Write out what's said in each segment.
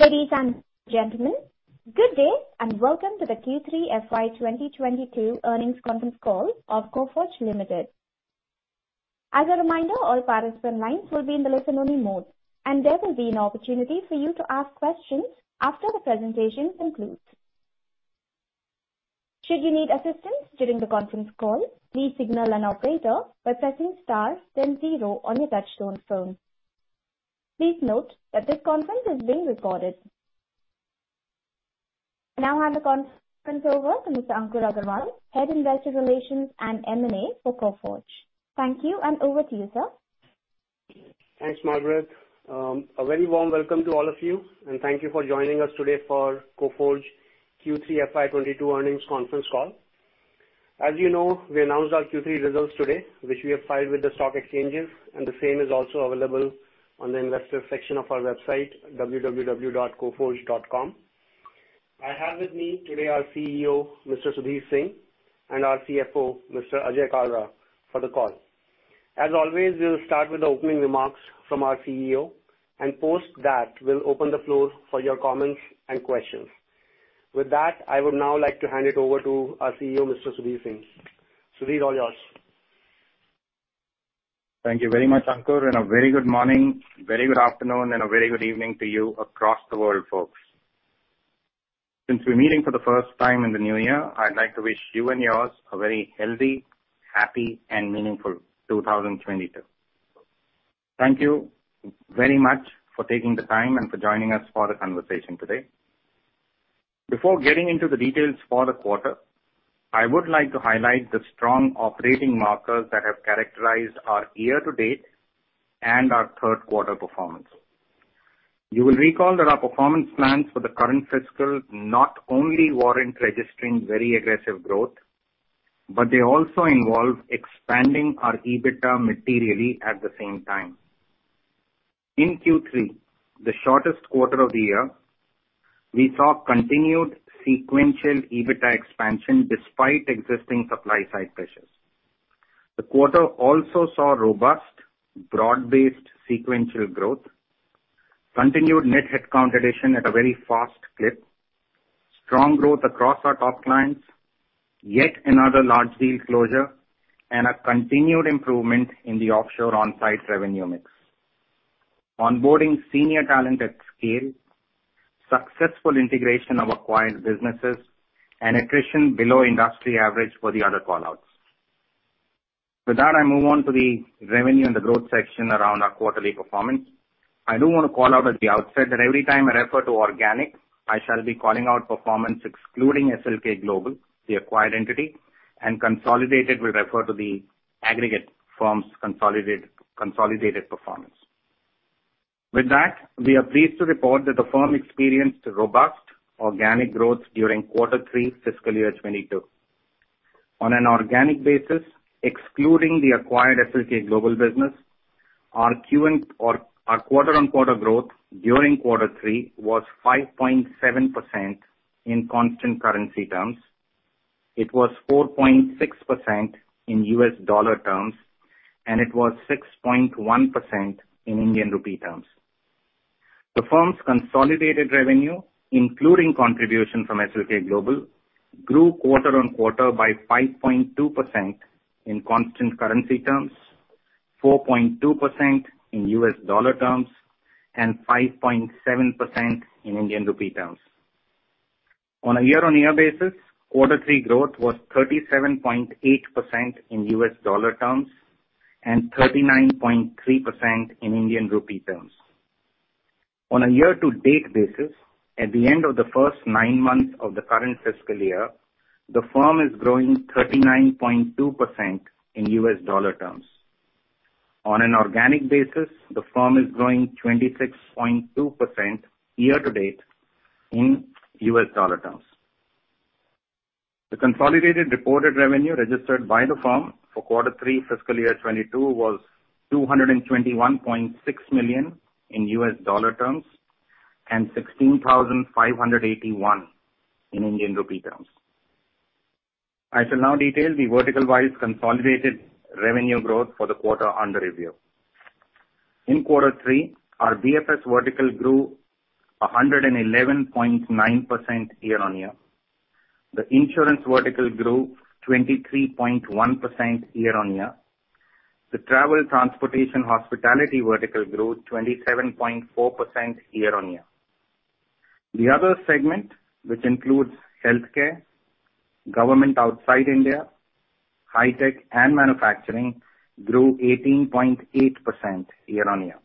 Ladies and gentlemen, good day, and welcome to the Q3 FY 2022 earnings conference call of Coforge Limited. As a reminder, all participant lines will be in the listen-only mode, and there will be an opportunity for you to ask questions after the presentation concludes. Should you need assistance during the conference call, please signal an operator by pressing star then zero on your touchtone phone. Please note that this conference is being recorded. I now hand the conference over to Mr. Ankur Aggarwal, Head Investor Relations and M&A for Coforge. Thank you, and over to you, sir. Thanks, Margaret. A very warm welcome to all of you, and thank you for joining us today for Coforge Q3 FY 2022 earnings conference call. As you know, we announced our Q3 results today, which we have filed with the stock exchanges, and the same is also available on the investor section of our website, www.coforge.com. I have with me today our CEO, Mr. Sudhir Singh, and our CFO, Mr. Ajay Kalra, for the call. As always, we'll start with opening remarks from our CEO, and post that, we'll open the floor for your comments and questions. With that, I would now like to hand it over to our CEO, Mr. Sudhir Singh. Sudhir, all yours. Thank you very much, Ankur, and a very good morning, very good afternoon, and a very good evening to you across the world, folks. Since we're meeting for the first time in the new year, I'd like to wish you and yours a very healthy, happy, and meaningful 2022. Thank you very much for taking the time and for joining us for the conversation today. Before getting into the details for the quarter, I would like to highlight the strong operating markers that have characterized our year-to-date and our third quarter performance. You will recall that our performance plans for the current fiscal not only warrant registering very aggressive growth, but they also involve expanding our EBITDA materially at the same time. In Q3, the shortest quarter of the year, we saw continued sequential EBITDA expansion despite existing supply-side pressures. The quarter also saw robust, broad-based sequential growth, continued net headcount addition at a very fast clip, strong growth across our top clients, yet another large deal closure, and a continued improvement in the offshore/on-site revenue mix, onboarding senior talent at scale, successful integration of acquired businesses, and attrition below industry average were the other call-outs. With that, I move on to the revenue and the growth section around our quarterly performance. I do wanna call out at the outset that every time I refer to organic, I shall be calling out performance excluding SLK Global, the acquired entity, and consolidated will refer to the aggregate firm's consolidated performance. With that, we are pleased to report that the firm experienced robust organic growth during quarter three FY 2022. On an organic basis, excluding the acquired SLK Global business, our Q and... Our quarter-on-quarter growth during quarter three was 5.7% in constant currency terms. It was 4.6% in U.S. dollar terms, and it was 6.1% in Indian rupee terms. The firm's consolidated revenue, including contribution from SLK Global, grew quarter-on-quarter by 5.2% in constant currency terms, 4.2% in U.S. dollar terms, and 5.7% in Indian rupee terms. On a year-on-year basis, quarter three growth was 37.8% in U.S. dollar terms and 39.3% in Indian rupee terms. On a year-to-date basis, at the end of the first nine months of the current fiscal year, the firm is growing 39.2% in US dollar terms. On an organic basis, the firm is growing 26.2% year to date in U.S. dollar terms. The consolidated reported revenue registered by the firm for quarter three fiscal year 2022 was $221.6 million in U.S. dollar terms and 16,581 million in Indian rupee terms. I shall now detail the vertical-wise consolidated revenue growth for the quarter under review. In quarter three, our BFS vertical grew 111.9% year-on-year. The insurance vertical grew 23.1% year-on-year. The travel transportation hospitality vertical grew 27.4% year-on-year. The other segment, which includes healthcare, government outside India, high-tech and manufacturing, grew 18.8% year-on-year.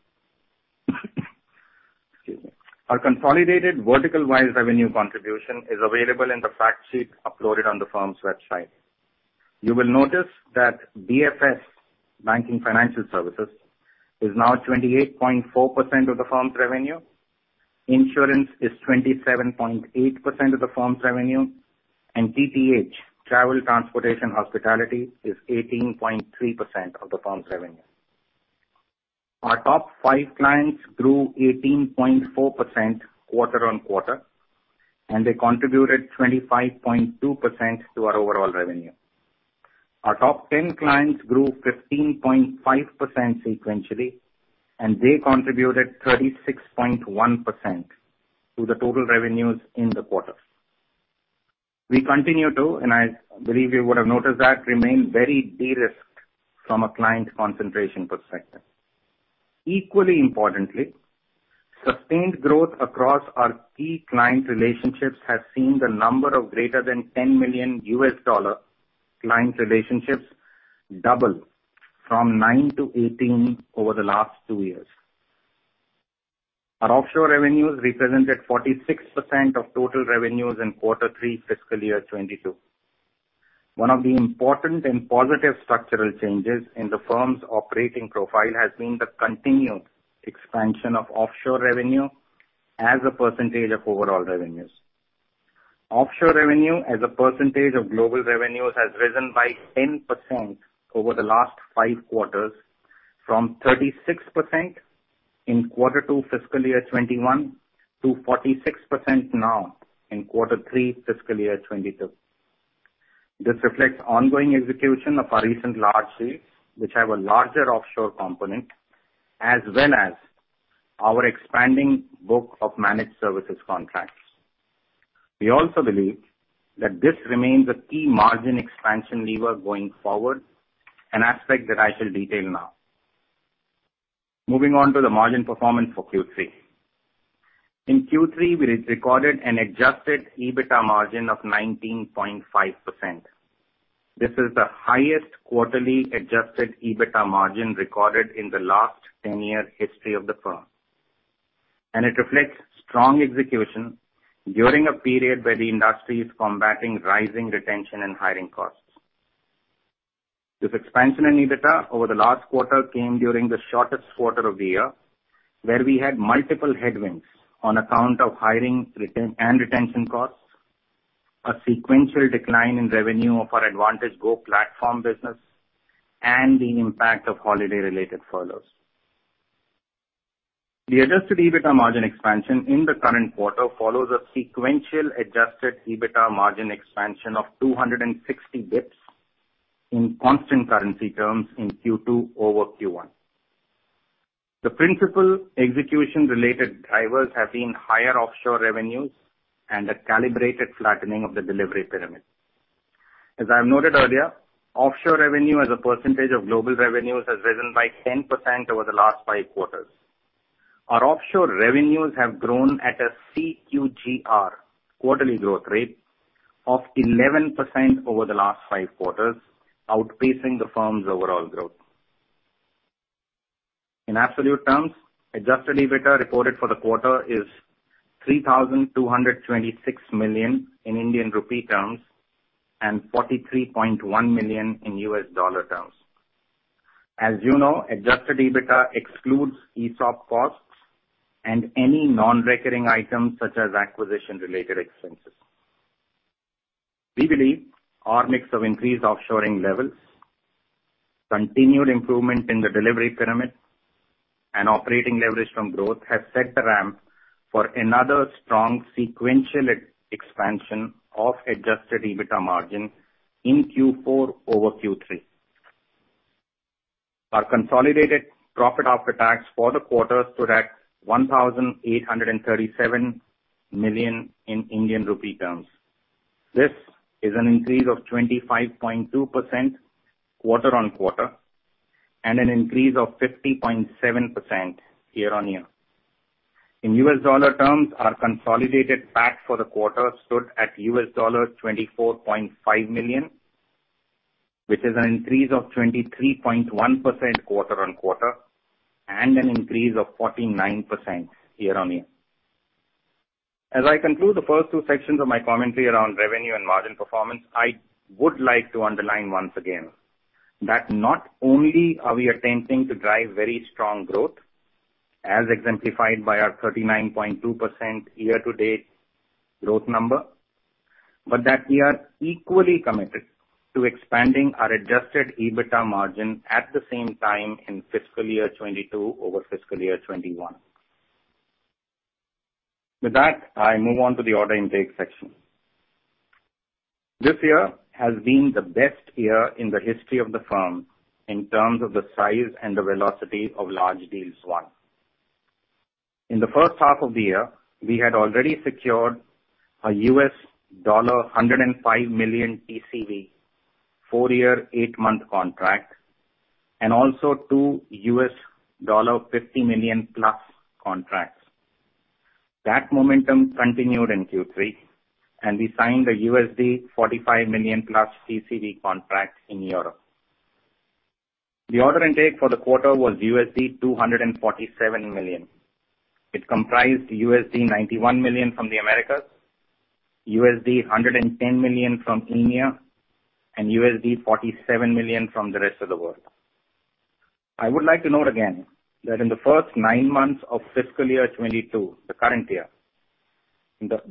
Excuse me. Our consolidated vertical-wise revenue contribution is available in the fact sheet uploaded on the firm's website. You will notice that BFS, banking financial services, is now 28.4% of the firm's revenue, insurance is 27.8% of the firm's revenue, and TTH, travel transportation hospitality, is 18.3% of the firm's revenue. Our top five clients grew 18.4% quarter on quarter, and they contributed 25.2% to our overall revenue. Our top ten clients grew 15.5% sequentially, and they contributed 36.1% to the total revenues in the quarter. We continue to, and I believe you would have noticed that, remain very de-risked from a client concentration perspective. Equally importantly, sustained growth across our key client relationships has seen the number of greater than $10 million client relationships double from 9 to 18 over the last two years. Our offshore revenues represented 46% of total revenues in quarter three fiscal year 2022. One of the important and positive structural changes in the firm's operating profile has been the continued expansion of offshore revenue as a percentage of overall revenues. Offshore revenue as a percentage of global revenues has risen by 10% over the last five quarters, from 36% in quarter two fiscal year 2021 to 46% now in quarter three fiscal year 2022. This reflects ongoing execution of our recent large deals, which have a larger offshore component, as well as our expanding book of managed services contracts. We also believe that this remains a key margin expansion lever going forward, an aspect that I shall detail now. Moving on to the margin performance for Q3. In Q3, we recorded an adjusted EBITDA margin of 19.5%. This is the highest quarterly adjusted EBITDA margin recorded in the last 10-year history of the firm, and it reflects strong execution during a period where the industry is combating rising retention and hiring costs. This expansion in EBITDA over the last quarter came during the shortest quarter of the year, where we had multiple headwinds on account of hiring and retention costs, a sequential decline in revenue of our AdvantageGo platform business, and the impact of holiday-related furloughs. The adjusted EBITDA margin expansion in the current quarter follows a sequential adjusted EBITDA margin expansion of 260 basis points in constant currency terms in Q2 over Q1. The principal execution-related drivers have been higher offshore revenues and a calibrated flattening of the delivery pyramid. As I have noted earlier, offshore revenue as a percentage of global revenues has risen by 10% over the last five quarters. Our offshore revenues have grown at a CQGR, quarterly growth rate, of 11% over the last five quarters, outpacing the firm's overall growth. In absolute terms, adjusted EBITDA reported for the quarter is 3,226 million in Indian rupee terms, and $43.1 million in US dollar terms. As you know, adjusted EBITDA excludes ESOP costs and any non-recurring items such as acquisition-related expenses. We believe our mix of increased offshoring levels, continued improvement in the delivery pyramid, and operating leverage from growth have set the ramp for another strong sequential expansion of adjusted EBITDA margin in Q4 over Q3. Our consolidated profit after tax for the quarter stood at 1,837 million in Indian rupee terms. This is an increase of 25.2% quarter-on-quarter and an increase of 50.7% year-on-year. In U.S. dollar terms, our consolidated PAT for the quarter stood at $24.5 million, which is an increase of 23.1% quarter-on-quarter and an increase of 49% year-on-year. As I conclude the first two sections of my commentary around revenue and margin performance, I would like to underline once again that not only are we attempting to drive very strong growth, as exemplified by our 39.2% year-to-date growth number, but that we are equally committed to expanding our adjusted EBITDA margin at the same time in FY 2022 over FY 2021. With that, I move on to the order intake section. This year has been the best year in the history of the firm in terms of the size and the velocity of large deals won. In the first half of the year, we had already secured a $105 million TCV, four-year, eight-month contract and also two $50 million-plus contracts. That momentum continued in Q3, and we signed a $45 million-plus TCV contract in Europe. The order intake for the quarter was $247 million. It comprised $91 million from the Americas, $110 million from EMEA, and $47 million from the rest of the world. I would like to note again that in the first nine months of fiscal year 2022, the current year, our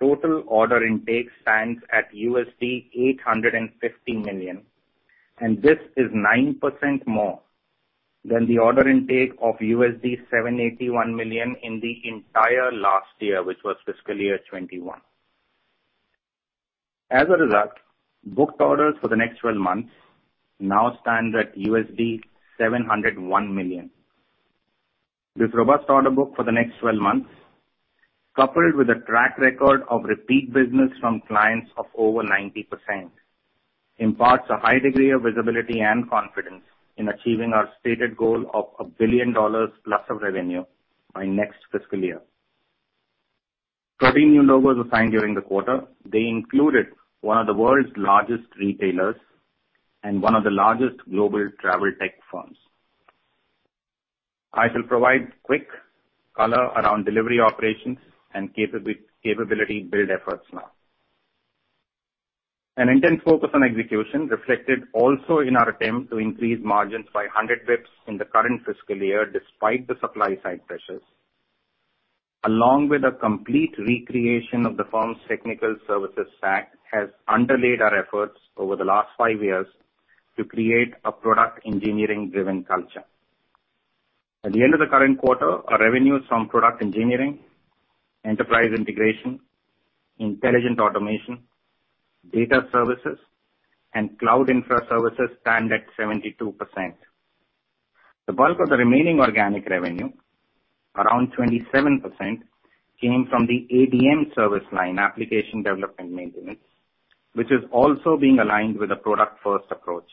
total order intake stands at $850 million, and this is 9% more than the order intake of $781 million in the entire last year, which was fiscal year 2021. As a result, booked orders for the next 12 months now stands at $701 million. This robust order book for the next 12 months, coupled with a track record of repeat business from clients of over 90%, imparts a high degree of visibility and confidence in achieving our stated goal of $1 billion plus of revenue by next fiscal year. 13 new logos were signed during the quarter. They included one of the world's largest retailers and one of the largest global travel tech firms. I shall provide quick color around delivery operations and capability build efforts now. An intense focus on execution reflected also in our attempt to increase margins by 100 basis points in the current fiscal year despite the supply side pressures. Along with a complete recreation of the firm's technical services stack has underlaid our efforts over the last five years to create a product engineering-driven culture. At the end of the current quarter, our revenues from product engineering, enterprise integration, intelligent automation, data services, and cloud infra services stand at 72%. The bulk of the remaining organic revenue, around 27%, came from the ADM service line, application development maintenance, which is also being aligned with a product-first approach.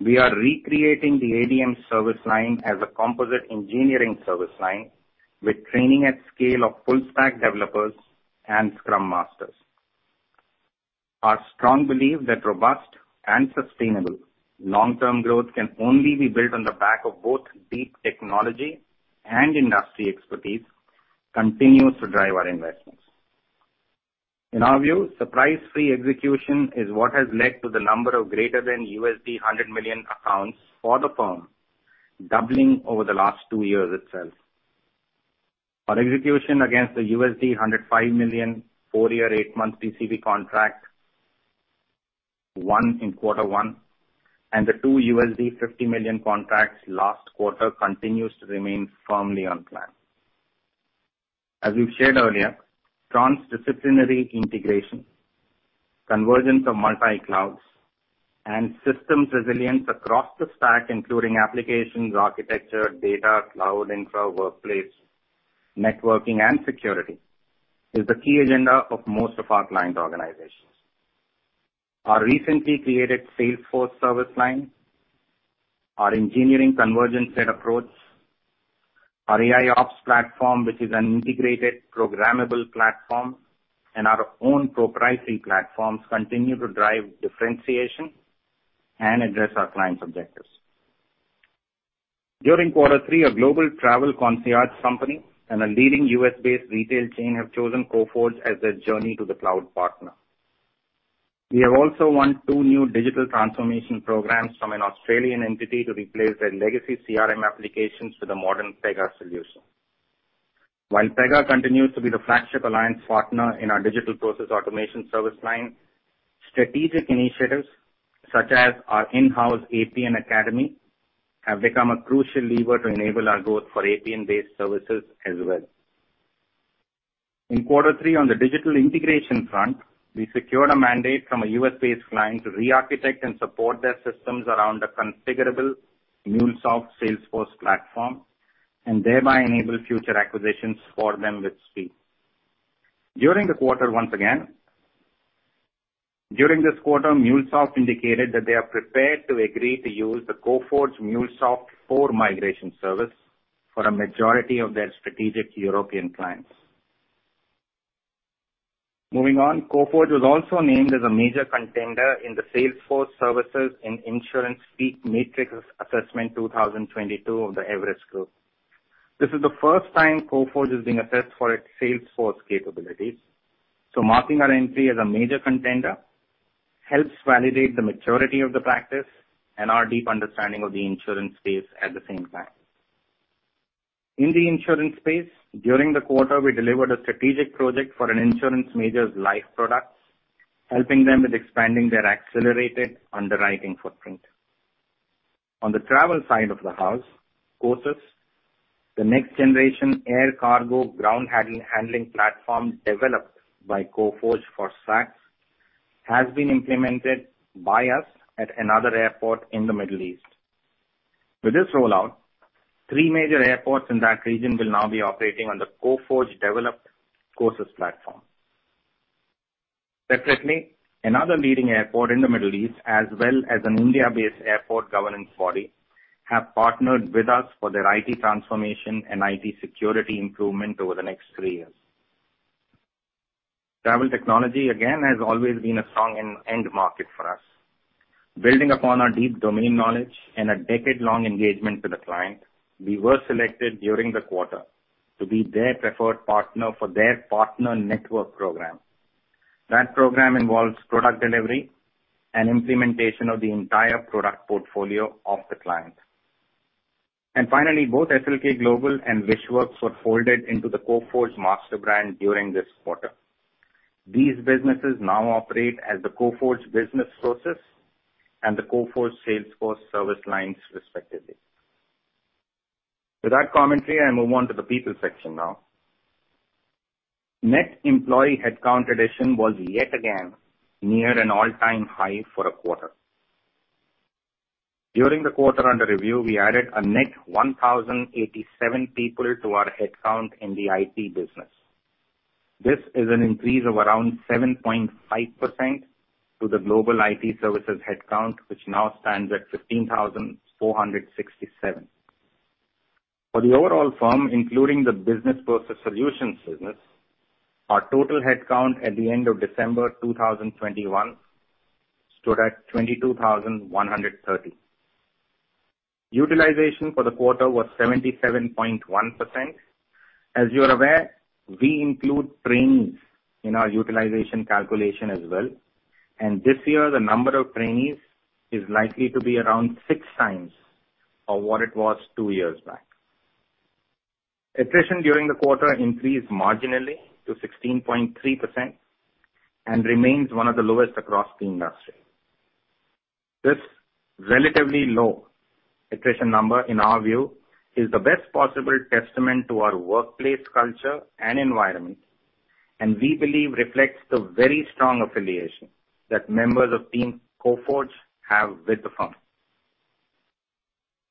We are recreating the ADM service line as a composite engineering service line with training at scale of full stack developers and Scrum Masters. Our strong belief that robust and sustainable long-term growth can only be built on the back of both deep technology and industry expertise continues to drive our investments. In our view, surprise-free execution is what has led to the number of greater than $100 million accounts for the firm doubling over the last two years itself. Our execution against the $105 million, four-year, eight-month TCV contract won in quarter one and the two $50 million contracts last quarter continues to remain firmly on plan. As we've shared earlier, transdisciplinary integration, convergence of multi-clouds, and systems resilience across the stack, including applications, architecture, data, cloud infra, workplace, networking, and security, is the key agenda of most of our client organizations. Our recently created Salesforce service line, our engineering convergence-led approach, our AIOps platform, which is an integrated programmable platform, and our own proprietary platforms continue to drive differentiation and address our clients' objectives. During quarter three, a global travel concierge company and a leading U.S.-based retail chain have chosen Coforge as their journey to the cloud partner. We have also won two new digital transformation programs from an Australian entity to replace their legacy CRM applications with a modern Pega solution. While Pega continues to be the flagship alliance partner in our digital process automation service line, strategic initiatives such as our in-house APN academy have become a crucial lever to enable our growth for APN-based services as well. In quarter three, on the digital integration front, we secured a mandate from a U.S.-based client to re-architect and support their systems around the configurable MuleSoft Salesforce platform and thereby enable future acquisitions for them with speed. During this quarter, MuleSoft indicated that they are prepared to agree to use the Coforge MuleSoft for migration service for a majority of their strategic European clients. Moving on, Coforge was also named as a major contender in the Salesforce services and insurance PEAK Matrix® assessment 2022 of the Everest Group. This is the first time Coforge is being assessed for its Salesforce capabilities. Marking our entry as a major contender helps validate the maturity of the practice and our deep understanding of the insurance space at the same time. In the insurance space, during the quarter, we delivered a strategic project for an insurance major's life products, helping them with expanding their accelerated underwriting footprint. On the travel side of the house, COSYS, the next-generation air cargo ground handling platform developed by Coforge for SATS has been implemented by us at another airport in the Middle East. With this rollout, three major airports in that region will now be operating on the Coforge-developed COSYS platform. Separately, another leading airport in the Middle East as well as an India-based airport governance body have partnered with us for their IT transformation and IT security improvement over the next three years. Travel technology, again, has always been a strong end market for us. Building upon our deep domain knowledge and a decade-long engagement with a client, we were selected during the quarter to be their preferred partner for their partner network program. That program involves product delivery and implementation of the entire product portfolio of the client. Finally, both SLK Global and WHISHWORKS were folded into the Coforge master brand during this quarter. These businesses now operate as the Coforge Business Process Solutions and the Coforge Salesforce service lines respectively. With that commentary, I move on to the people section now. Net employee headcount addition was yet again near an all-time high for a quarter. During the quarter under review, we added a net 1,087 people to our headcount in the IT business. This is an increase of around 7.5% to the global IT services headcount, which now stands at 15,467. For the overall firm, including the business process solutions business, our total headcount at the end of December 2021 stood at 22,130. Utilization for the quarter was 77.1%. As you are aware, we include trainees in our utilization calculation as well, and this year the number of trainees is likely to be around 6x of what it was two years back. Attrition during the quarter increased marginally to 16.3% and remains one of the lowest across the industry. This relatively low attrition number, in our view, is the best possible testament to our workplace culture and environment, and we believe reflects the very strong affiliation that members of Team Coforge have with the firm.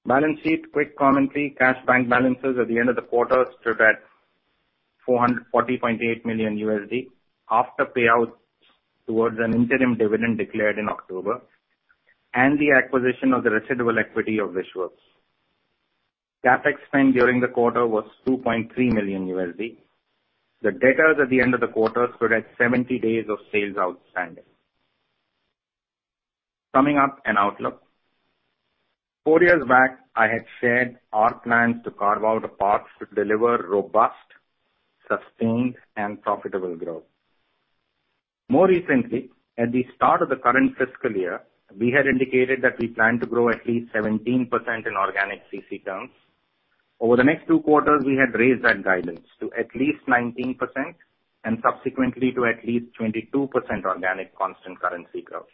Balance sheet. Quick commentary. Cash bank balances at the end of the quarter stood at $440.8 million after payouts towards an interim dividend declared in October and the acquisition of the residual equity of WHISHWORKS. CapEx spend during the quarter was $2.3 million. The debtors at the end of the quarter stood at 70 days of sales outstanding. Summing up and outlook. four years back, I had shared our plans to carve out a path to deliver robust, sustained and profitable growth. More recently, at the start of the current fiscal year, we had indicated that we plan to grow at least 17% in organic CC terms. Over the next two quarters, we had raised that guidance to at least 19% and subsequently to at least 22% organic constant currency growth.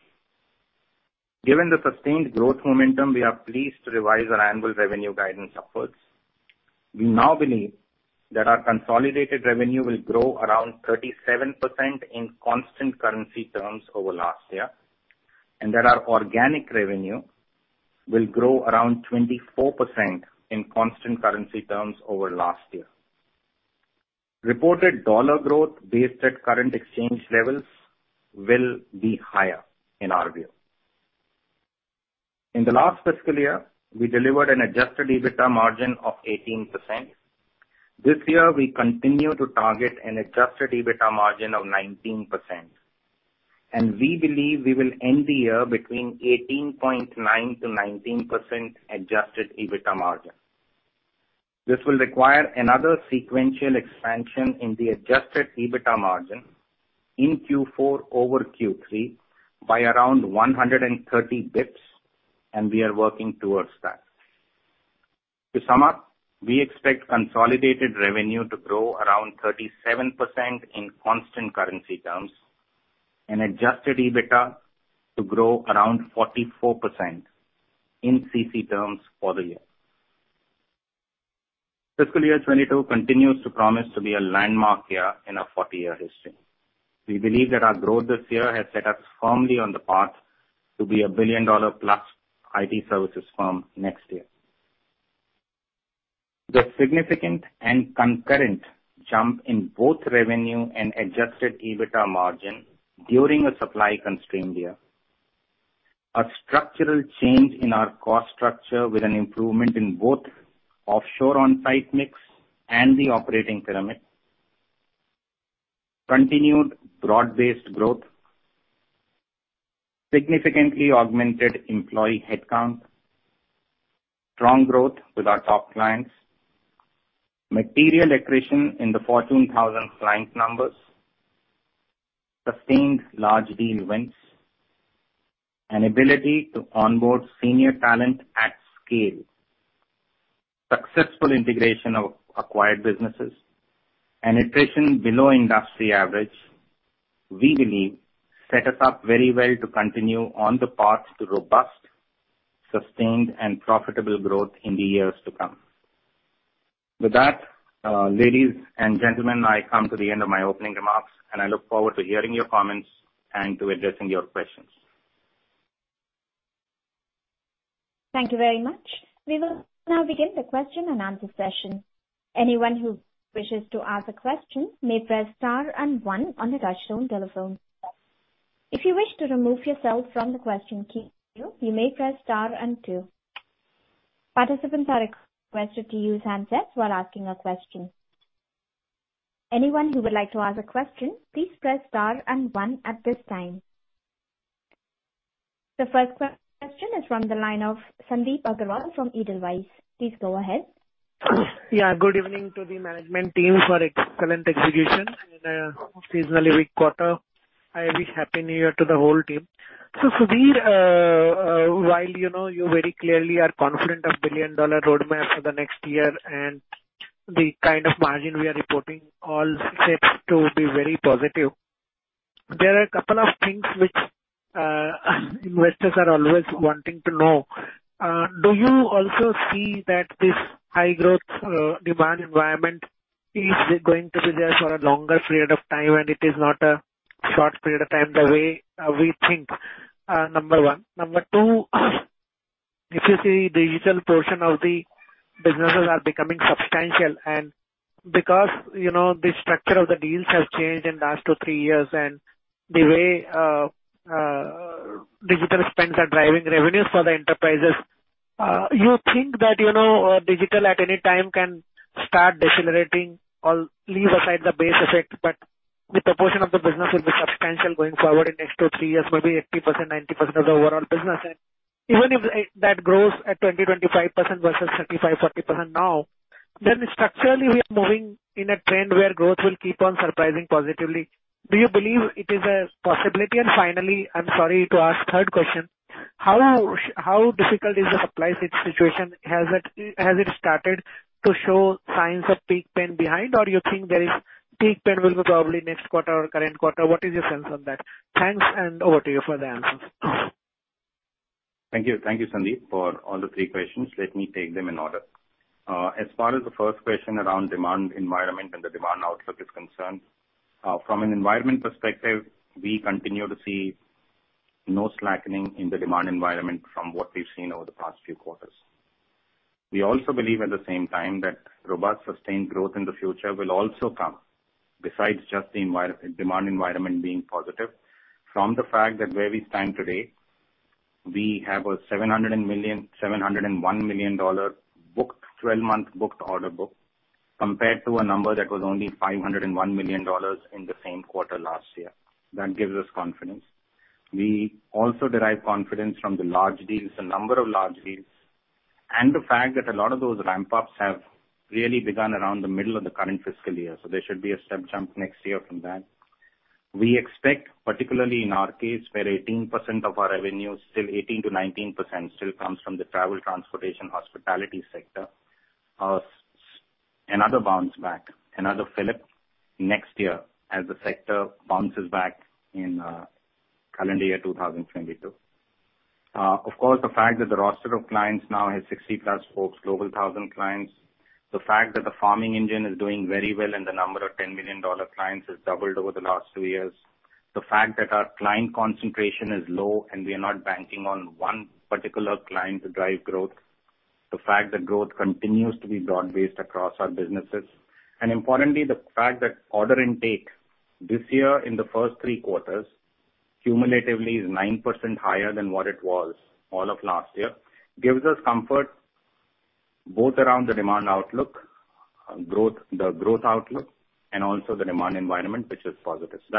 Given the sustained growth momentum, we are pleased to revise our annual revenue guidance upwards. We now believe that our consolidated revenue will grow around 37% in constant currency terms over last year and that our organic revenue will grow around 24% in constant currency terms over last year. Reported dollar growth based at current exchange levels will be higher in our view. In the last fiscal year, we delivered an adjusted EBITDA margin of 18%. This year we continue to target an adjusted EBITDA margin of 19% and we believe we will end the year between 18.9%-19% adjusted EBITDA margin. This will require another sequential expansion in the adjusted EBITDA margin in Q4 over Q3 by around 130 basis points, and we are working towards that. To sum up, we expect consolidated revenue to grow around 37% in constant currency terms and adjusted EBITDA to grow around 44% in CC terms for the year. Fiscal year 2022 continues to promise to be a landmark year in our 40-year history. We believe that our growth this year has set us firmly on the path to be a billion-dollar-plus IT services firm next year. The significant and concurrent jump in both revenue and adjusted EBITDA margin during a supply-constrained year, a structural change in our cost structure with an improvement in both offshore on-site mix and the operating pyramid, continued broad-based growth, significantly augmented employee headcount, strong growth with our top clients, material accretion in the Fortune 1000 client numbers, sustained large deal wins, an ability to onboard senior talent at scale, successful integration of acquired businesses and attrition below industry average, we believe set us up very well to continue on the path to robust, sustained and profitable growth in the years to come. With that, ladies and gentlemen, I come to the end of my opening remarks and I look forward to hearing your comments and to addressing your questions. Thank you very much. We will now begin the question-and-answer session. Anyone who wishes to ask a question may press star and one on their touchtone telephone. If you wish to remove yourself from the question queue, you may press star and two. Participants are requested to use handsets while asking a question. Anyone who would like to ask a question, please press star and one at this time. The first question is from the line of Sandip Agarwal from Edelweiss. Please go ahead. Yeah, good evening to the management team for excellent execution in a seasonally weak quarter. I wish Happy New Year to the whole team. Sudhir, while you know you very clearly are confident of billion-dollar roadmap for the next year and the kind of margin we are reporting all seems to be very positive, there are a couple of things which investors are always wanting to know. Do you also see that this high growth demand environment is going to be there for a longer period of time and it is not a short period of time the way we think? Number one. Number two, if you see digital portion of the businesses are becoming substantial, and because, you know, the structure of the deals has changed in last two, three years, and the way digital spends are driving revenues for the enterprises, you think that, you know, digital at any time can start decelerating or leave aside the base effect, but the proportion of the business will be substantial going forward in next two, three years, maybe 80%, 90% of the overall business. Even if that grows at 20%-25% versus 35%-40% now, then structurally we are moving in a trend where growth will keep on surprising positively. Do you believe it is a possibility? Finally, I'm sorry to ask third question. How difficult is the supply situation? Has it started to show signs of peaking behind or you think there is peaking will be probably next quarter or current quarter? What is your sense on that? Thanks, and over to you for the answers. Thank you. Thank you, Sandip, for all the three questions. Let me take them in order. As far as the first question around demand environment and the demand outlook is concerned, from an environment perspective, we continue to see no slackening in the demand environment from what we've seen over the past few quarters. We also believe at the same time that robust, sustained growth in the future will also come besides just the demand environment being positive from the fact that where we stand today, we have a $701 million booked 12-month order book compared to a number that was only $501 million in the same quarter last year. That gives us confidence. We also derive confidence from the large deals, the number of large deals, and the fact that a lot of those ramp-ups have really begun around the middle of the current fiscal year, so there should be a step jump next year from that. We expect, particularly in our case, where 18% of our revenue, still 18%-19% still comes from the travel, transportation, hospitality sector, so another bounce back, another fillip next year as the sector bounces back in calendar year 2022. Of course, the fact that the roster of clients now has 60+ Forbes Global 2000 clients. The fact that the farming engine is doing very well and the number of $10 million clients has doubled over the last two years. The fact that our client concentration is low and we are not banking on one particular client to drive growth. The fact that growth continues to be broad-based across our businesses. Importantly, the fact that order intake this year in the first three quarters cumulatively is 9% higher than what it was all of last year gives us comfort both around the demand outlook, growth, the growth outlook and also the demand environment, which is positive. So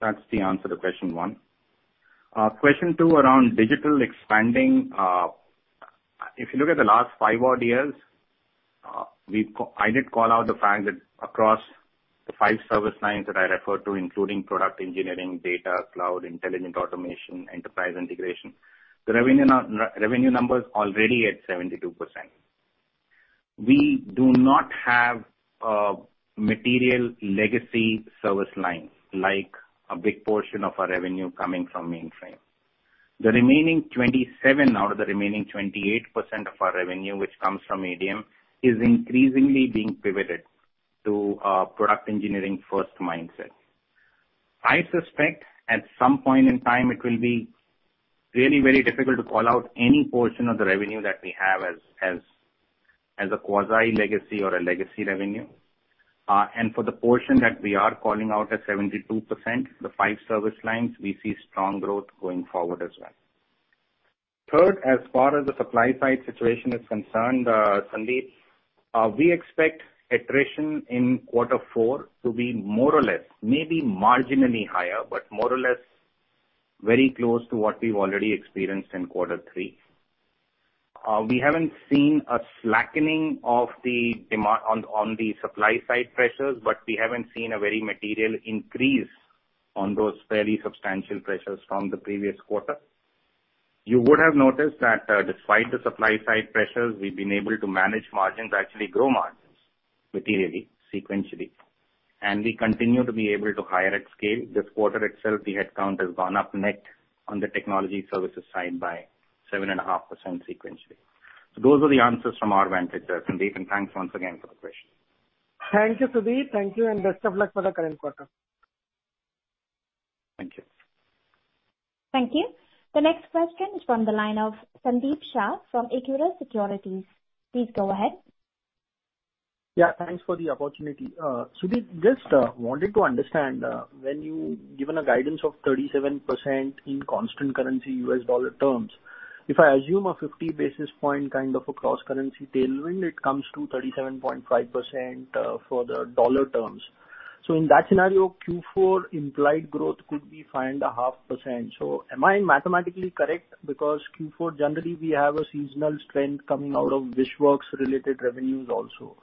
that's the answer to question one. Question two around digital expansion. If you look at the last five-odd years, I did call out the fact that across the five service lines that I referred to, including product engineering, data, cloud, intelligent automation, enterprise integration, the revenue numbers already at 72%. We do not have a material legacy service line like a big portion of our revenue coming from mainframe. The remaining 27 out of the remaining 28% of our revenue, which comes from ADM, is increasingly being pivoted to a product engineering first mindset. I suspect at some point in time it will be really very difficult to call out any portion of the revenue that we have as a quasi legacy or a legacy revenue. For the portion that we are calling out as 72%, the five service lines, we see strong growth going forward as well. Third, as far as the supply side situation is concerned, Sandeep, we expect attrition in quarter four to be more or less, maybe marginally higher, but more or less very close to what we've already experienced in quarter three. We haven't seen a slackening of the demand on the supply side pressures, but we haven't seen a very material increase on those fairly substantial pressures from the previous quarter. You would have noticed that, despite the supply side pressures, we've been able to manage margins, actually grow margins materially, sequentially, and we continue to be able to hire at scale. This quarter itself, the headcount has gone up net on the technology services side by 7.5% sequentially. Those are the answers from our vantage, Sandeep, and thanks once again for the question. Thank you, Sudhir. Thank you and best of luck for the current quarter. Thank you. Thank you. The next question is from the line of Sandeep Shah from Equirus Securities. Please go ahead. Yeah, thanks for the opportunity. Sudhir, just wanted to understand, when you given a guidance of 37% in constant currency U.S. dollar terms, if I assume a 50 basis point kind of a cross-currency tailwind, it comes to 37.5%, for the dollar terms. In that scenario, Q4 implied growth could be 5.5%. Am I mathematically correct? Because Q4 generally we have a seasonal strength coming out of WHISHWORKS related revenues also.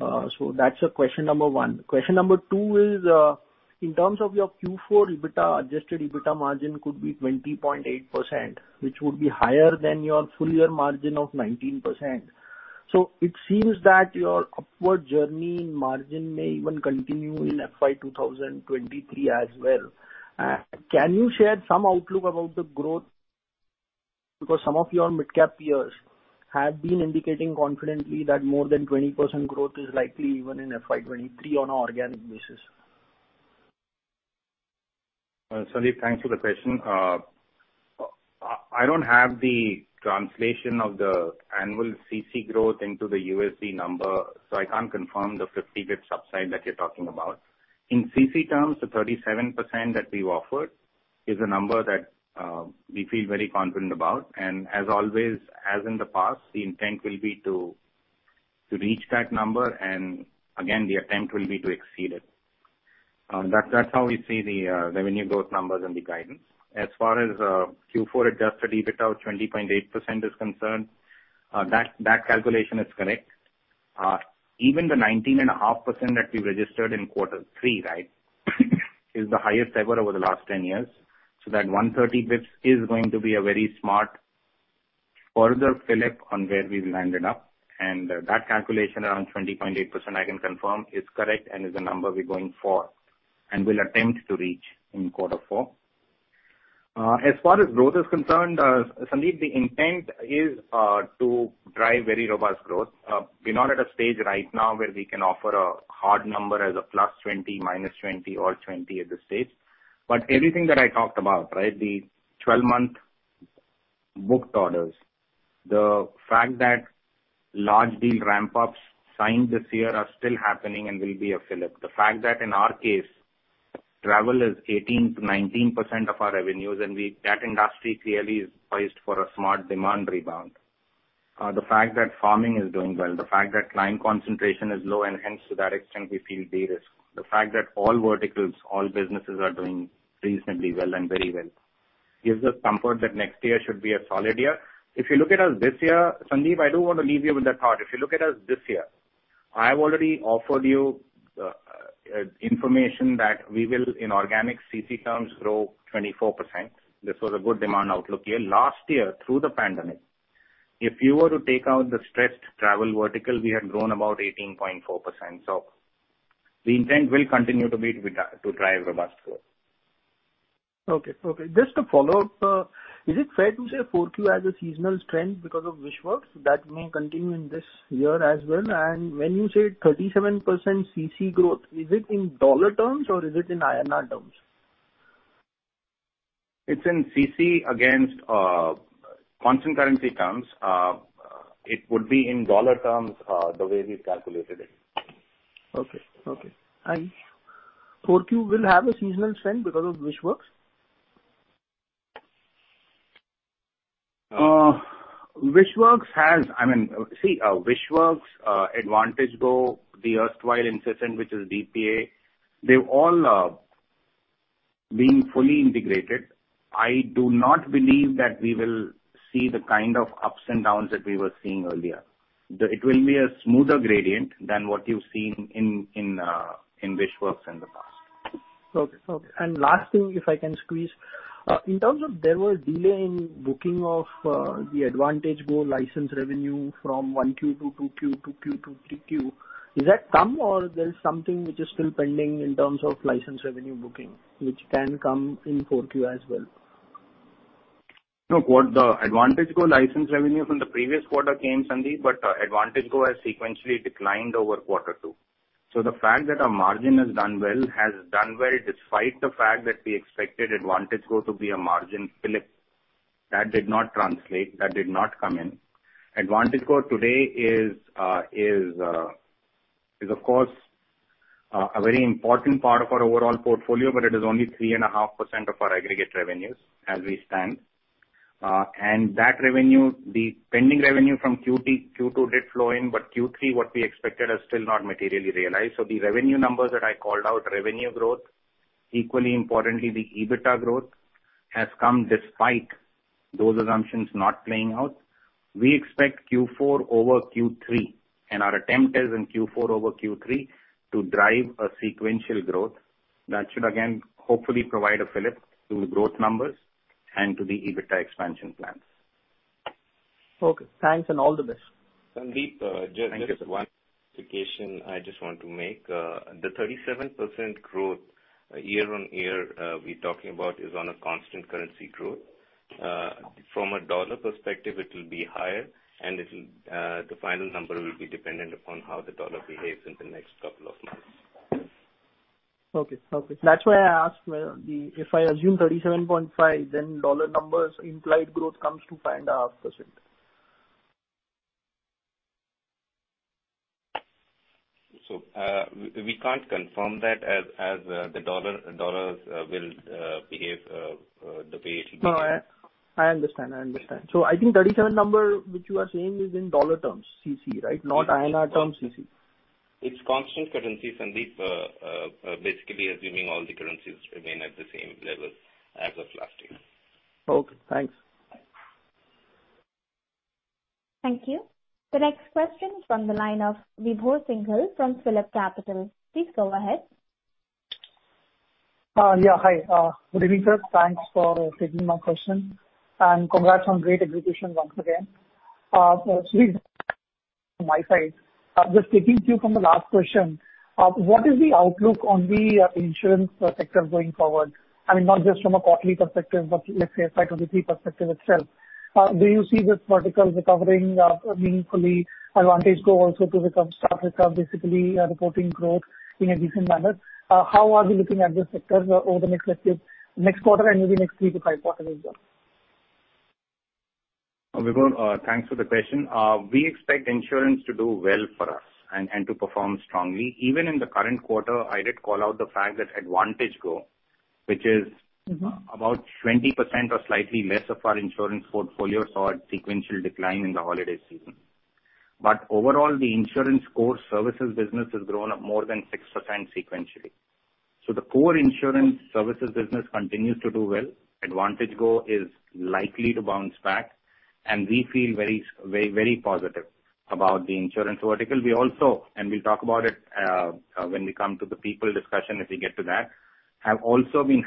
That's a question number one. Question number two is, in terms of your Q4 EBITDA, adjusted EBITDA margin could be 20.8%, which would be higher than your full year margin of 19%. It seems that your upward journey in margin may even continue in FY 2023 as well. Can you share some outlook about the growth? Because some of your midcap peers have been indicating confidently that more than 20% growth is likely even in FY 2023 on organic basis. Sandeep, thanks for the question. I don't have the translation of the annual CC growth into the USD number, so I can't confirm the 50 bps upside that you're talking about. In CC terms, the 37% that we offered is a number that we feel very confident about. As always, as in the past, the intent will be to reach that number. Again, the attempt will be to exceed it. That's how we see the revenue growth numbers and the guidance. As far as Q4 adjusted EBITDA of 20.8% is concerned, that calculation is correct. Even the 19.5% that we registered in quarter three, right, is the highest ever over the last 10 years. That 130 basis points is going to be a very smart further fillip on where we've landed up. That calculation around 20.8%, I can confirm is correct and is the number we're going for and will attempt to reach in quarter four. As far as growth is concerned, Sandeep, the intent is to drive very robust growth. We're not at a stage right now where we can offer a hard number as a +20%, -20% or 20% at this stage. Everything that I talked about, right? The 12-month booked orders, the fact that large deal ramp-ups signed this year are still happening and will be a fillip. The fact that in our case, travel is 18%-19% of our revenues. That industry clearly is poised for a smart demand rebound.y The fact that farming is doing well, the fact that client concentration is low and hence to that extent we feel de-risked. The fact that all verticals, all businesses are doing reasonably well and very well, gives us comfort that next year should be a solid year. If you look at us this year. Sandeep, I do want to leave you with that thought. If you look at us this year, I've already offered you information that we will in organic CC terms grow 24%. This was a good demand outlook year. Last year through the pandemic, if you were to take out the stressed travel vertical, we had grown about 18.4%. The intent will continue to be to drive robust growth. Okay. Just to follow up, is it fair to say 4Q has a seasonal strength because of WHISHWORKS that may continue in this year as well? When you say 37% CC growth, is it in US dollar terms or is it in INR terms? It's in CC against constant currency terms. It would be in dollar terms, the way we've calculated it. Okay. 4Q will have a seasonal strength because of WHISHWORKS? WHISHWORKS, AdvantageGo, the erstwhile Incessant, which is DPA, they've all been fully integrated. I do not believe that we will see the kind of ups and downs that we were seeing earlier. It will be a smoother gradient than what you've seen in WHISHWORKS in the past. Last thing, if I can squeeze. In terms of, there was a delay in booking of the AdvantageGo license revenue from 1Q to 2Q to 3Q. Has that come or there is something which is still pending in terms of license revenue booking, which can come in 4Q as well? No. The AdvantageGo license revenue from the previous quarter came, Sandeep, but AdvantageGo has sequentially declined over quarter two. The fact that our margin has done well despite the fact that we expected AdvantageGo to be a margin fillip. That did not translate. That did not come in. AdvantageGo today is of course a very important part of our overall portfolio, but it is only 3.5% of our aggregate revenues as we stand. And that revenue, the pending revenue from Q2 did flow in, but Q3, what we expected has still not materially realized. The revenue numbers that I called out, revenue growth, equally importantly, the EBITDA growth has come despite those assumptions not playing out. We expect Q4 over Q3, and our attempt is in Q4 over Q3 to drive a sequential growth that should again hopefully provide a fillip to the growth numbers and to the EBITDA expansion plans. Okay. Thanks and all the best. Thank you. Sandeep, just one clarification I just want to make. The 37% growth year-on-year we're talking about is on a constant currency growth. From a dollar perspective, it will be higher, and the final number will be dependent upon how the dollar behaves in the next couple of months. Okay. That's why I asked. If I assume 37.5, then dollar numbers implied growth comes to 5.5%. We can't confirm that as the dollars will behave the way it will behave. No, I understand. I think 37 number which you are saying is in dollar terms CC, right? Not INR terms CC. It's constant currency, Sandeep. Basically assuming all the currencies remain at the same level as of last year. Okay. Thanks. Thank you. The next question from the line of Vibhor Singhal from PhillipCapital. Please go ahead. Hi. Good evening, sir. Thanks for taking my question, and congrats on great execution once again. So Sudhir, from my side, just taking cue from the last question, what is the outlook on the insurance sector going forward? I mean, not just from a quarterly perspective, but let's say a cycle perspective itself. Do you see this vertical recovering meaningfully? AdvantageGo also to start recovering, basically, reporting growth in a decent manner. How are you looking at this sector over the next, let's say, next quarter and maybe next three-five quarters as well? Vibhor, thanks for the question. We expect insurance to do well for us and to perform strongly. Even in the current quarter, I did call out the fact that AdvantageGo, which is- Mm-hmm. About 20% or slightly less of our insurance portfolio saw a sequential decline in the holiday season. Overall, the insurance core services business has grown up more than 6% sequentially. The core insurance services business continues to do well. AdvantageGo is likely to bounce back, and we feel very, very positive about the insurance vertical. We also, and we'll talk about it, when we come to the people discussion, if we get to that, have also been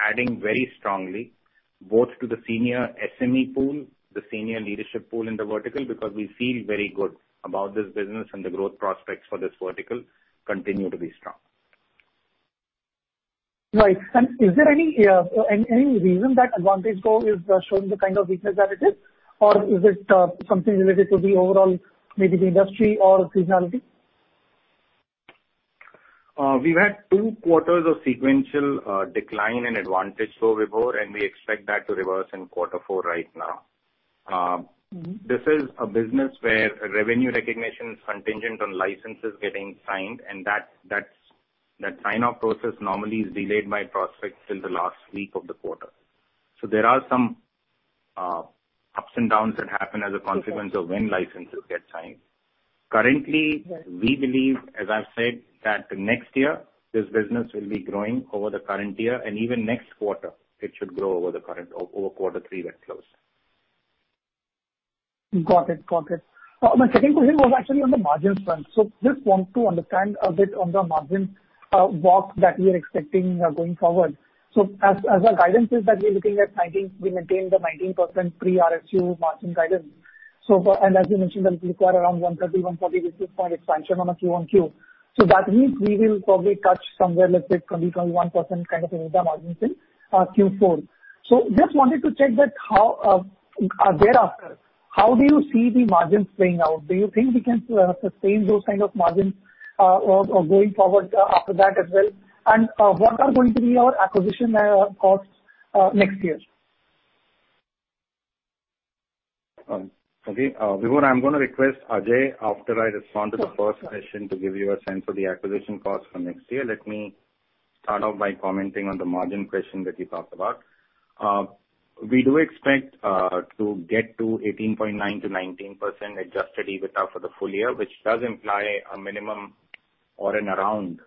adding very strongly both to the senior SME pool, the senior leadership pool in the vertical, because we feel very good about this business and the growth prospects for this vertical continue to be strong. Right. Is there any reason that AdvantageGo is showing the kind of weakness that it is? Or is it something related to the overall maybe the industry or seasonality? We've had two quarters of sequential decline in AdvantageGo, Vibhor, and we expect that to reverse in quarter four right now. Mm-hmm. This is a business where revenue recognition is contingent on licenses getting signed and that sign-off process normally is delayed by prospects till the last week of the quarter. There are some ups and downs that happen as a consequence of when licenses get signed. Currently Right. We believe, as I've said, that next year this business will be growing over the current year and even next quarter it should grow over the current quarter three that closed. Got it. My second question was actually on the margins front. Just want to understand a bit on the margin walk that we are expecting going forward. As our guidance is that we're looking at 19%. We maintain the 19% pre-RSU margin guidance. As you mentioned, that will require around 130-140 basis points expansion on a quarter-on-quarter. That means we will probably touch somewhere, let's say, 20%-21% kind of EBITDA margins in Q4. Just wanted to check that how thereafter, how do you see the margins playing out? Do you think we can sustain those kind of margins going forward after that as well? What are going to be our acquisition costs next year? Okay. Vibhor, I'm gonna request Ajay after I respond to the first question to give you a sense of the acquisition costs for next year. Let me start off by commenting on the margin question that you talked about. We do expect to get to 18.9%-19% adjusted EBITDA for the full year, which does imply a minimum of around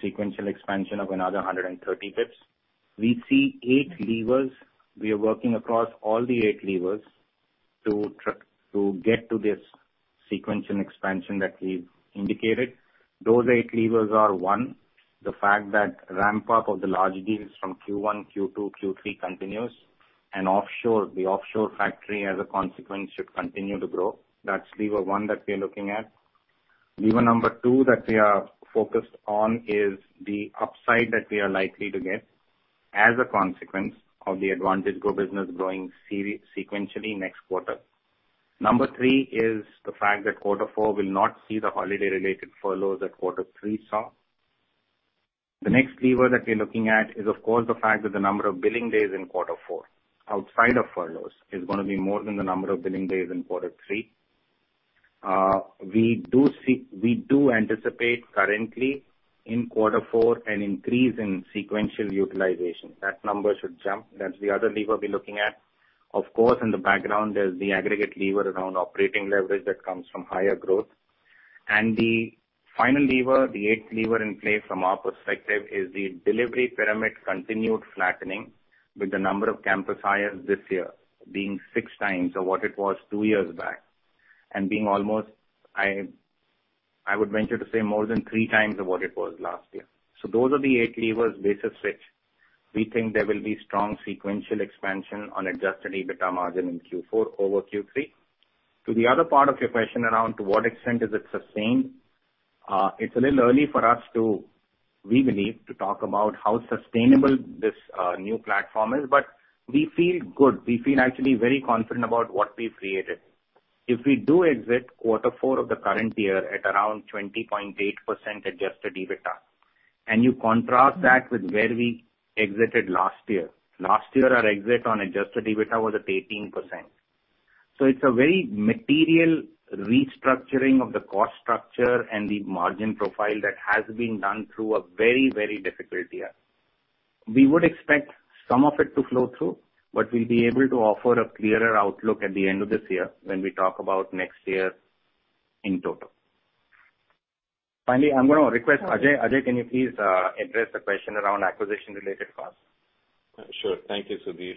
sequential expansion of another 130 basis points. We see eight levers. We are working across all the eight levers to get to this sequential expansion that we've indicated. Those eight levers are, one, the fact that ramp up of the large deals from Q1, Q2, Q3 continues, and offshore, the offshore factory as a consequence should continue to grow. That's lever one that we're looking at. Lever number two that we are focused on is the upside that we are likely to get as a consequence of the AdvantageGo business growing sequentially next quarter. Number three is the fact that quarter four will not see the holiday related furloughs that quarter three saw. The next lever that we're looking at is of course the fact that the number of billing days in quarter four, outside of furloughs, is gonna be more than the number of billing days in quarter three. We do anticipate currently in quarter four an increase in sequential utilization. That number should jump. That's the other lever we're looking at. Of course, in the background there's the aggregate lever around operating leverage that comes from higher growth. The final lever, the eighth lever in play from our perspective, is the delivery pyramid continued flattening with the number of campus hires this year being 6x of what it was two years back and being almost, I would venture to say more than 3x of what it was last year. Those are the eight levers basis which we think there will be strong sequential expansion on adjusted EBITDA margin in Q4 over Q3. To the other part of your question around to what extent is it sustained, it's a little early for us to, we believe, to talk about how sustainable this, new platform is, but we feel good. We feel actually very confident about what we've created. If we do exit quarter four of the current year at around 20.8% adjusted EBITDA, and you contrast that with where we exited last year, last year our exit on adjusted EBITDA was at 18%. It's a very material restructuring of the cost structure and the margin profile that has been done through a very, very difficult year. We would expect some of it to flow through, but we'll be able to offer a clearer outlook at the end of this year when we talk about next year in total. Finally, I'm gonna request Ajay. Ajay, can you please address the question around acquisition-related costs? Sure. Thank you, Sudhir.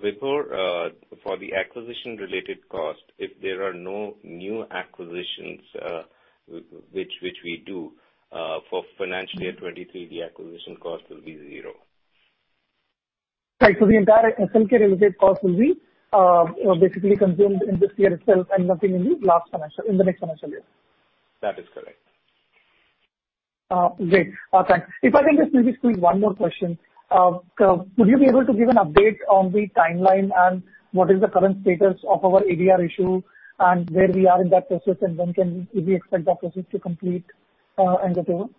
Vibhor, for the acquisition-related cost, if there are no new acquisitions, which we do, for financial year 2023, the acquisition cost will be zero. Right. The entire SLK-related cost will be basically consumed in this year itself and nothing in the next semester year. That is correct. Great. Thanks. If I can just maybe squeeze one more question. So would you be able to give an update on the timeline and what is the current status of our ADR issue and where we are in that process and when can we expect that process to complete and deliver? Yeah.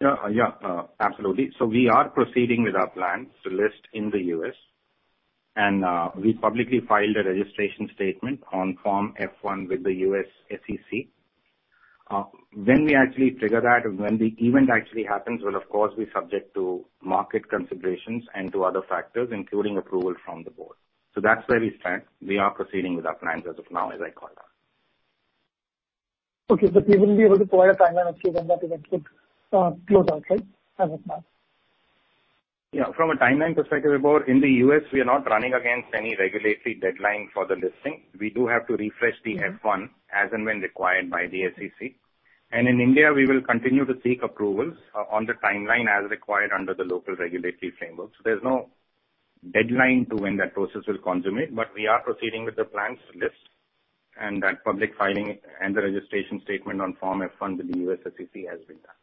Yeah, absolutely. We are proceeding with our plans to list in the U.S., and we publicly filed a registration statement on Form F-1 with the U.S. SEC. When we actually trigger that or when the event actually happens will of course be subject to market considerations and to other factors, including approval from the board. That's where we stand. We are proceeding with our plans as of now, as I called on. Okay. You wouldn't be able to provide a timeline actually when that event would close out, right, as of now? Yeah. From a timeline perspective, Vibhor, in the U.S. we are not running against any regulatory deadline for the listing. We do have to refresh the F-1 as and when required by the SEC. In India we will continue to seek approvals on the timeline as required under the local regulatory framework. There's no deadline to when that process will consummate, but we are proceeding with the plans to list and that public filing and the registration statement on Form F-1 with the U.S. SEC has been done.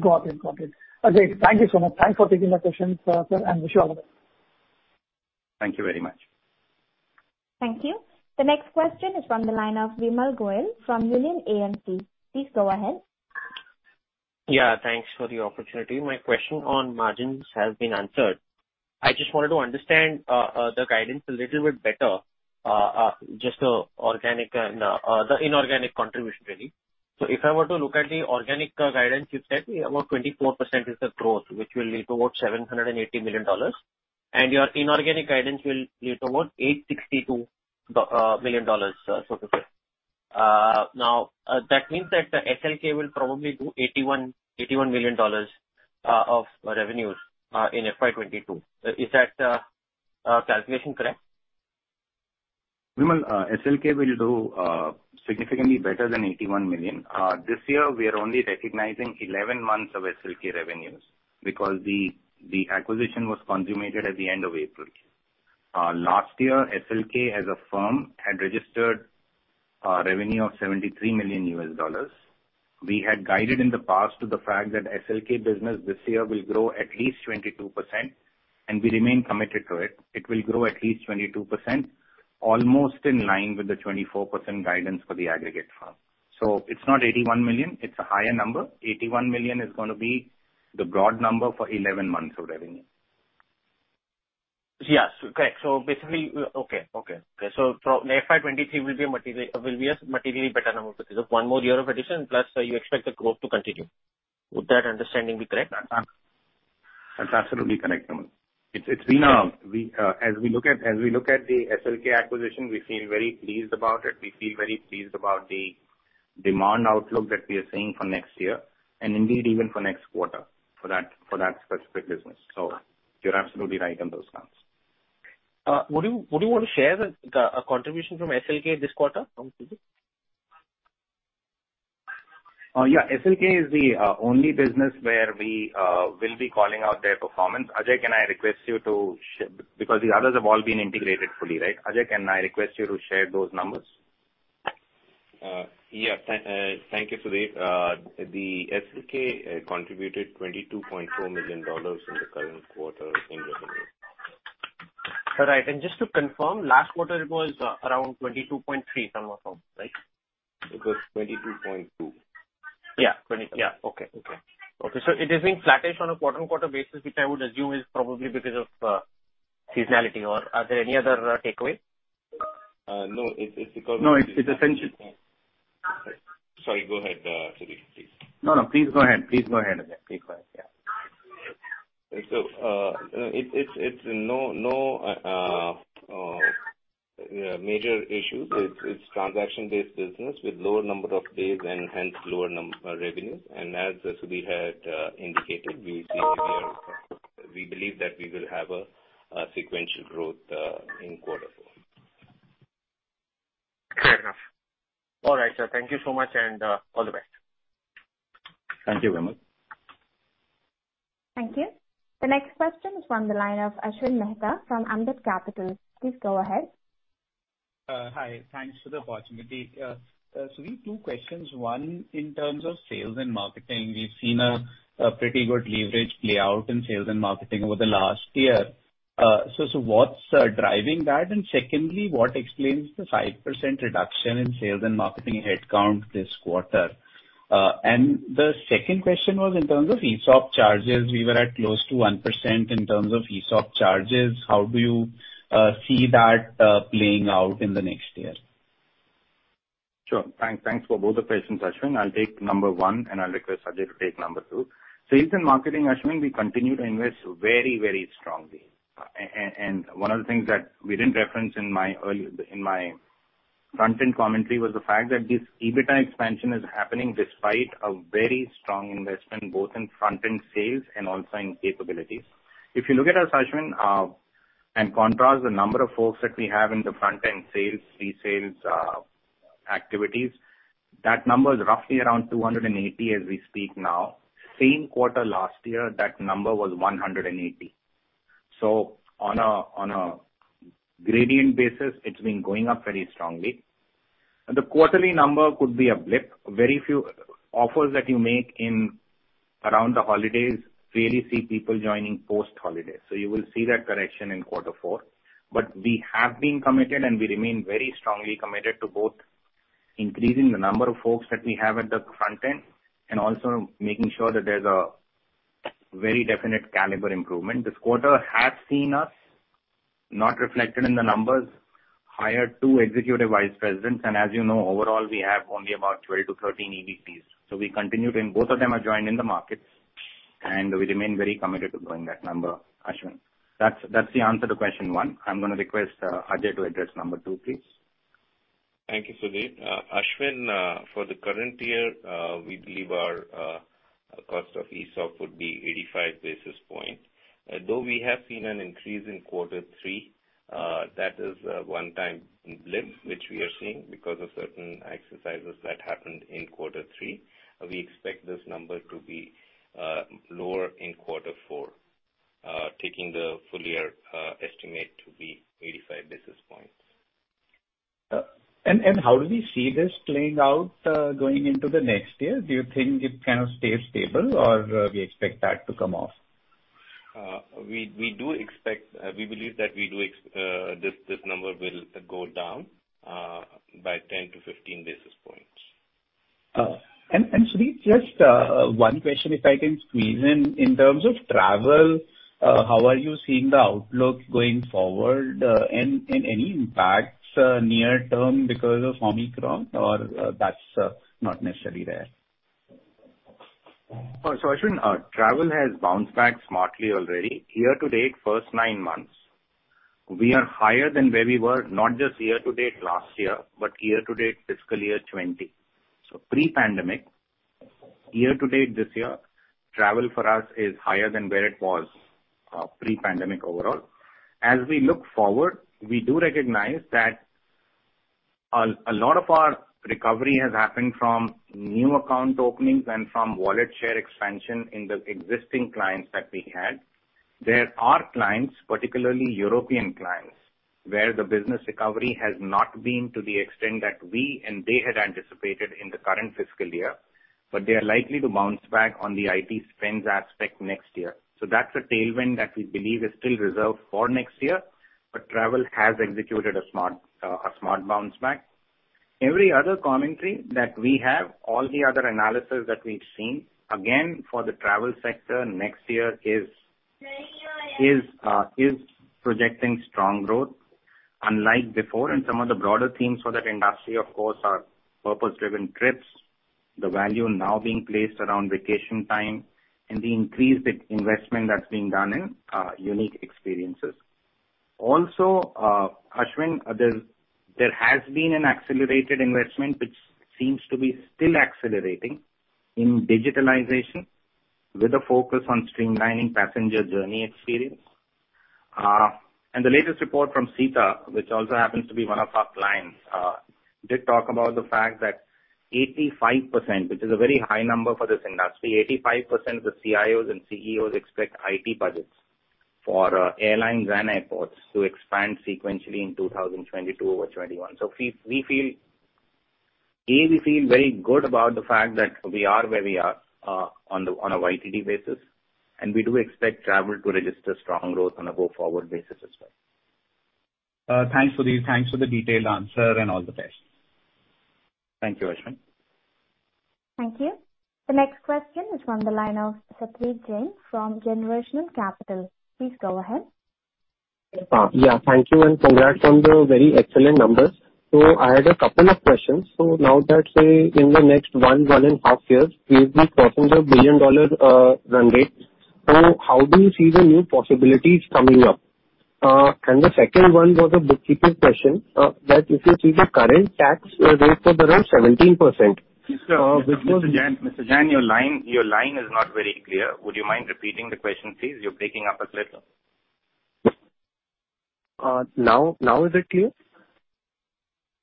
Got it. Ajay, thank you so much. Thanks for taking the questions, sir, and wish you all the best. Thank you very much. Thank you. The next question is from the line of Vimal Gohil from Union AMC. Please go ahead. Yeah, thanks for the opportunity. My question on margins has been answered. I just wanted to understand the guidance a little bit better, just the organic and the inorganic contribution really. If I were to look at the organic guidance, you said about 24% is the growth, which will lead to about $780 million. Your inorganic guidance will lead to about $862 million, so to say. Now, that means that SLK will probably do $81 million of revenues in FY 2022. Is that calculation correct? Vimal, SLK will do significantly better than $81 million. This year we are only recognizing 11 months of SLK revenues because the acquisition was consummated at the end of April. Last year, SLK as a firm had registered a revenue of $73 million. We had guided in the past to the fact that SLK business this year will grow at least 22%, and we remain committed to it. It will grow at least 22%, almost in line with the 24% guidance for the aggregate firm. It's not $81 million, it's a higher number. $81 million is gonna be the broad number for 11 months of revenue. Yes. Correct. Basically in FY 2023 will be a materially better number because of one more year of addition, plus you expect the growth to continue. Would that understanding be correct? That's absolutely correct, Vimal. As we look at the SLK acquisition, we feel very pleased about it. We feel very pleased about the demand outlook that we are seeing for next year and indeed even for next quarter for that specific business. You're absolutely right on those counts. Would you want to share the contribution from SLK this quarter from Sudhir? Yeah. SLK is the only business where we will be calling out their performance. Because the others have all been integrated fully, right? Ajay, can I request you to share those numbers? Yeah. Thank you, Sudhir. The SLK contributed $22.4 million in the current quarter in revenue. All right. Just to confirm, last quarter it was around 22.3, somewhere around, right? It was 22.2. Yeah. Twenty-two. Okay. It is being flattish on a quarter-over-quarter basis, which I would assume is probably because of seasonality or are there any other takeaway? No, it's because. No, it's essentially Sorry, go ahead, Sudhir, please. No, please go ahead, Ajay. Yeah. It's no major issue. It's transaction-based business with lower number of days and hence lower revenues. As Sudhir had indicated, we see here we believe that we will have a sequential growth in quarter four. Fair enough. All right, sir. Thank you so much and all the best. Thank you, Vimal. Thank you. The next question is from the line of Ashwin Mehta from Ambit Capital. Please go ahead. Hi. Thanks for the opportunity. Sudhir, two questions. One, in terms of sales and marketing, we've seen a pretty good leverage play out in sales and marketing over the last year. What's driving that? Secondly, what explains the 5% reduction in sales and marketing headcount this quarter? The second question was in terms of ESOP charges. We were at close to 1% in terms of ESOP charges. How do you see that playing out in the next year? Sure. Thanks for both the questions, Ashwin. I'll take number one, and I'll request Ajay to take number two. Sales and marketing, Ashwin, we continue to invest very strongly and one of the things that we didn't reference in my front-end commentary was the fact that this EBITDA expansion is happening despite a very strong investment both in front-end sales and also in capabilities. If you look at our session and contrast the number of folks that we have in the front-end sales, pre-sales, activities, that number is roughly around 280 as we speak now. Same quarter last year, that number was 180. So on a gradient basis, it's been going up very strongly. The quarterly number could be a blip. Very few offers that you make in around the holidays, rarely see people joining post-holiday. You will see that correction in quarter four. We have been committed, and we remain very strongly committed to both increasing the number of folks that we have at the front end and also making sure that there's a very definite caliber improvement. This quarter has seen us, not reflected in the numbers, hire two Executive Vice Presidents. As you know, overall we have only about 12-13 EVPs. We continue to both of them have joined in the markets, and we remain very committed to growing that number, Ashwin. That's the answer to question one. I'm gonna request Ajay to address number two, please. Thank you, Sudhir. Ashwin, for the current year, we believe our cost of ESOP would be 85 basis points. Though we have seen an increase in quarter three, that is a one-time blip which we are seeing because of certain exercises that happened in quarter three. We expect this number to be lower in quarter four, taking the full year estimate to be 85 basis points. How do we see this playing out, going into the next year? Do you think it kind of stays stable or we expect that to come off? We believe that we do expect this number will go down by 10-15 basis points. Sudhir, just one question if I can squeeze in. In terms of travel, how are you seeing the outlook going forward? Any impacts near term because of Omicron or that's not necessarily there? Ashwin, travel has bounced back smartly already. Year to date, first nine months, we are higher than where we were, not just year to date last year, but year to date fiscal year 2020. Pre-pandemic, year to date this year, travel for us is higher than where it was pre-pandemic overall. As we look forward, we do recognize that a lot of our recovery has happened from new account openings and from wallet share expansion in the existing clients that we had. There are clients, particularly European clients, where the business recovery has not been to the extent that we and they had anticipated in the current fiscal year, but they are likely to bounce back on the IT spends aspect next year. That's a tailwind that we believe is still reserved for next year, but travel has executed a smart bounce back. Every other commentary that we have, all the other analysis that we've seen, again, for the travel sector next year is projecting strong growth unlike before. Some of the broader themes for that industry of course are purpose-driven trips, the value now being placed around vacation time, and the increased investment that's being done in unique experiences. Also, Ashwin, there has been an accelerated investment which seems to be still accelerating in digitalization with a focus on streamlining passenger journey experience. The latest report from SITA, which also happens to be one of our clients, did talk about the fact that 85%, which is a very high number for this industry, 85% of the CIOs and CTOs expect IT budgets for airlines and airports to expand sequentially in 2022 over 2021. We feel very good about the fact that we are where we are on a YTD basis, and we do expect travel to register strong growth on a go-forward basis as well. Thanks, Sudhir. Thanks for the detailed answer and all the best. Thank you, Ashwin. Thank you. The next question is from the line of Satwik Jain from Generational Capital. Please go ahead. Yeah. Thank you and congrats on the very excellent numbers. I had a couple of questions. Now that, say, in the next one and a half years, you'll be crossing the $1 billion run rate. How do you see the new possibilities coming up? The second one was a bookkeeping question, that if you see the current tax rates of around 17%, which was- Mr. Jain, your line is not very clear. Would you mind repeating the question, please? You're breaking up a bit. Now, is it clear?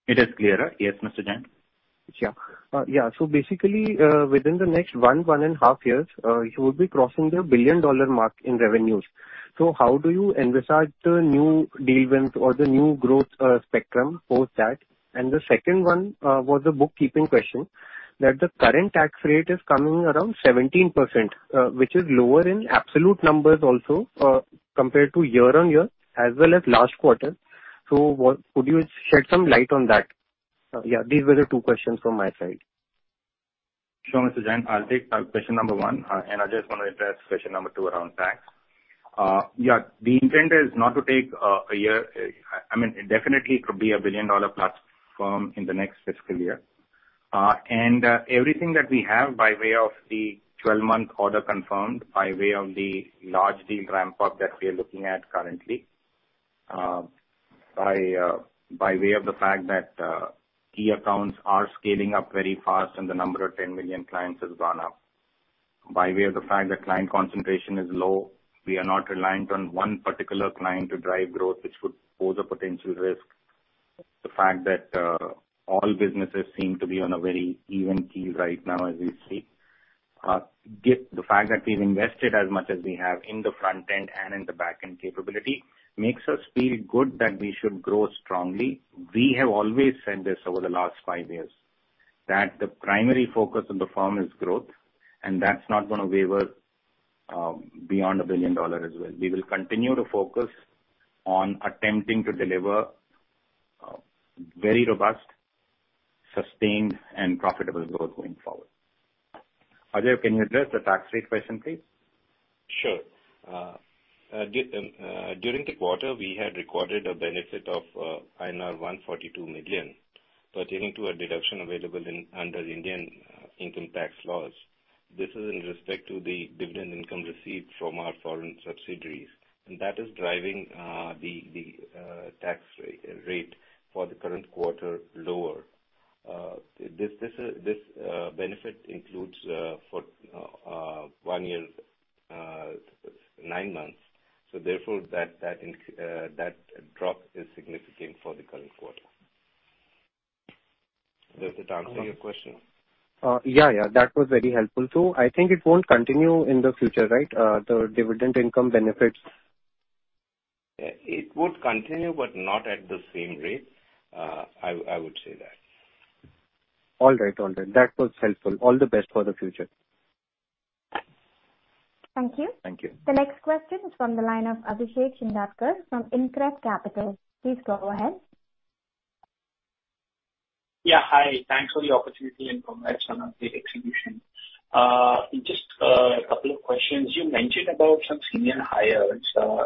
It is clearer. Yes, Mr. Jain. Basically, within the next one and a half years, you will be crossing the billion-dollar mark in revenues. How do you envisage the new deal wins or the new growth spectrum post that? The second one was a bookkeeping question, that the current tax rate is coming around 17%, which is lower in absolute numbers also, compared to YoY as well as last quarter. What could you shed some light on that? These were the two questions from my side. Sure, Mr. Jain. I'll take question number one, and Ajay is gonna address question number two around tax. The intent is not to take a year. I mean, definitely it could be a billion-dollar platform in the next fiscal year. Everything that we have by way of the 12-month order confirmed, by way of the large deal ramp-up that we are looking at currently, by way of the fact that key accounts are scaling up very fast and the number of 10 million clients has gone up. By way of the fact that client concentration is low, we are not reliant on one particular client to drive growth, which would pose a potential risk. The fact that all businesses seem to be on a very even keel right now as we speak. Given the fact that we've invested as much as we have in the front end and in the back end capability makes us feel good that we should grow strongly. We have always said this over the last five years, that the primary focus on the firm is growth, and that's not gonna waver beyond $1 billion as well. We will continue to focus on attempting to deliver very robust, sustained, and profitable growth going forward. Ajay, can you address the tax rate question, please? Sure. During the quarter, we had recorded a benefit of INR 142 million pertaining to a deduction available under Indian income tax laws. This is in respect to the dividend income received from our foreign subsidiaries. That is driving the tax rate for the current quarter lower. This benefit includes for one year, nine months, so therefore that drop is significant for the current quarter. Does it answer your question? Yeah. That was very helpful. I think it won't continue in the future, right? The dividend income benefits. It would continue, but not at the same rate. I would say that. All right. That was helpful. All the best for the future. Thank you. Thank you. The next question is from the line of Abhishek Shindadkar from InCred Capital. Please go ahead. Yeah, hi. Thanks for the opportunity and congrats on update execution. Just a couple of questions. You mentioned about some senior hires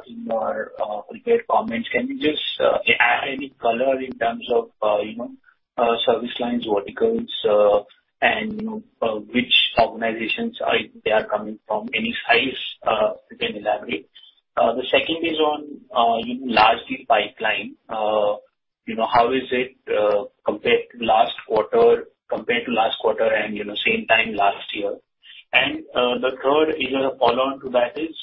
in your prepared comments. Can you just add any color in terms of you know service lines, verticals, and you know which organizations they are coming from? Any size you can elaborate. The second is on large deal pipeline. You know how is it compared to last quarter and same time last year. The third is a follow-on to that is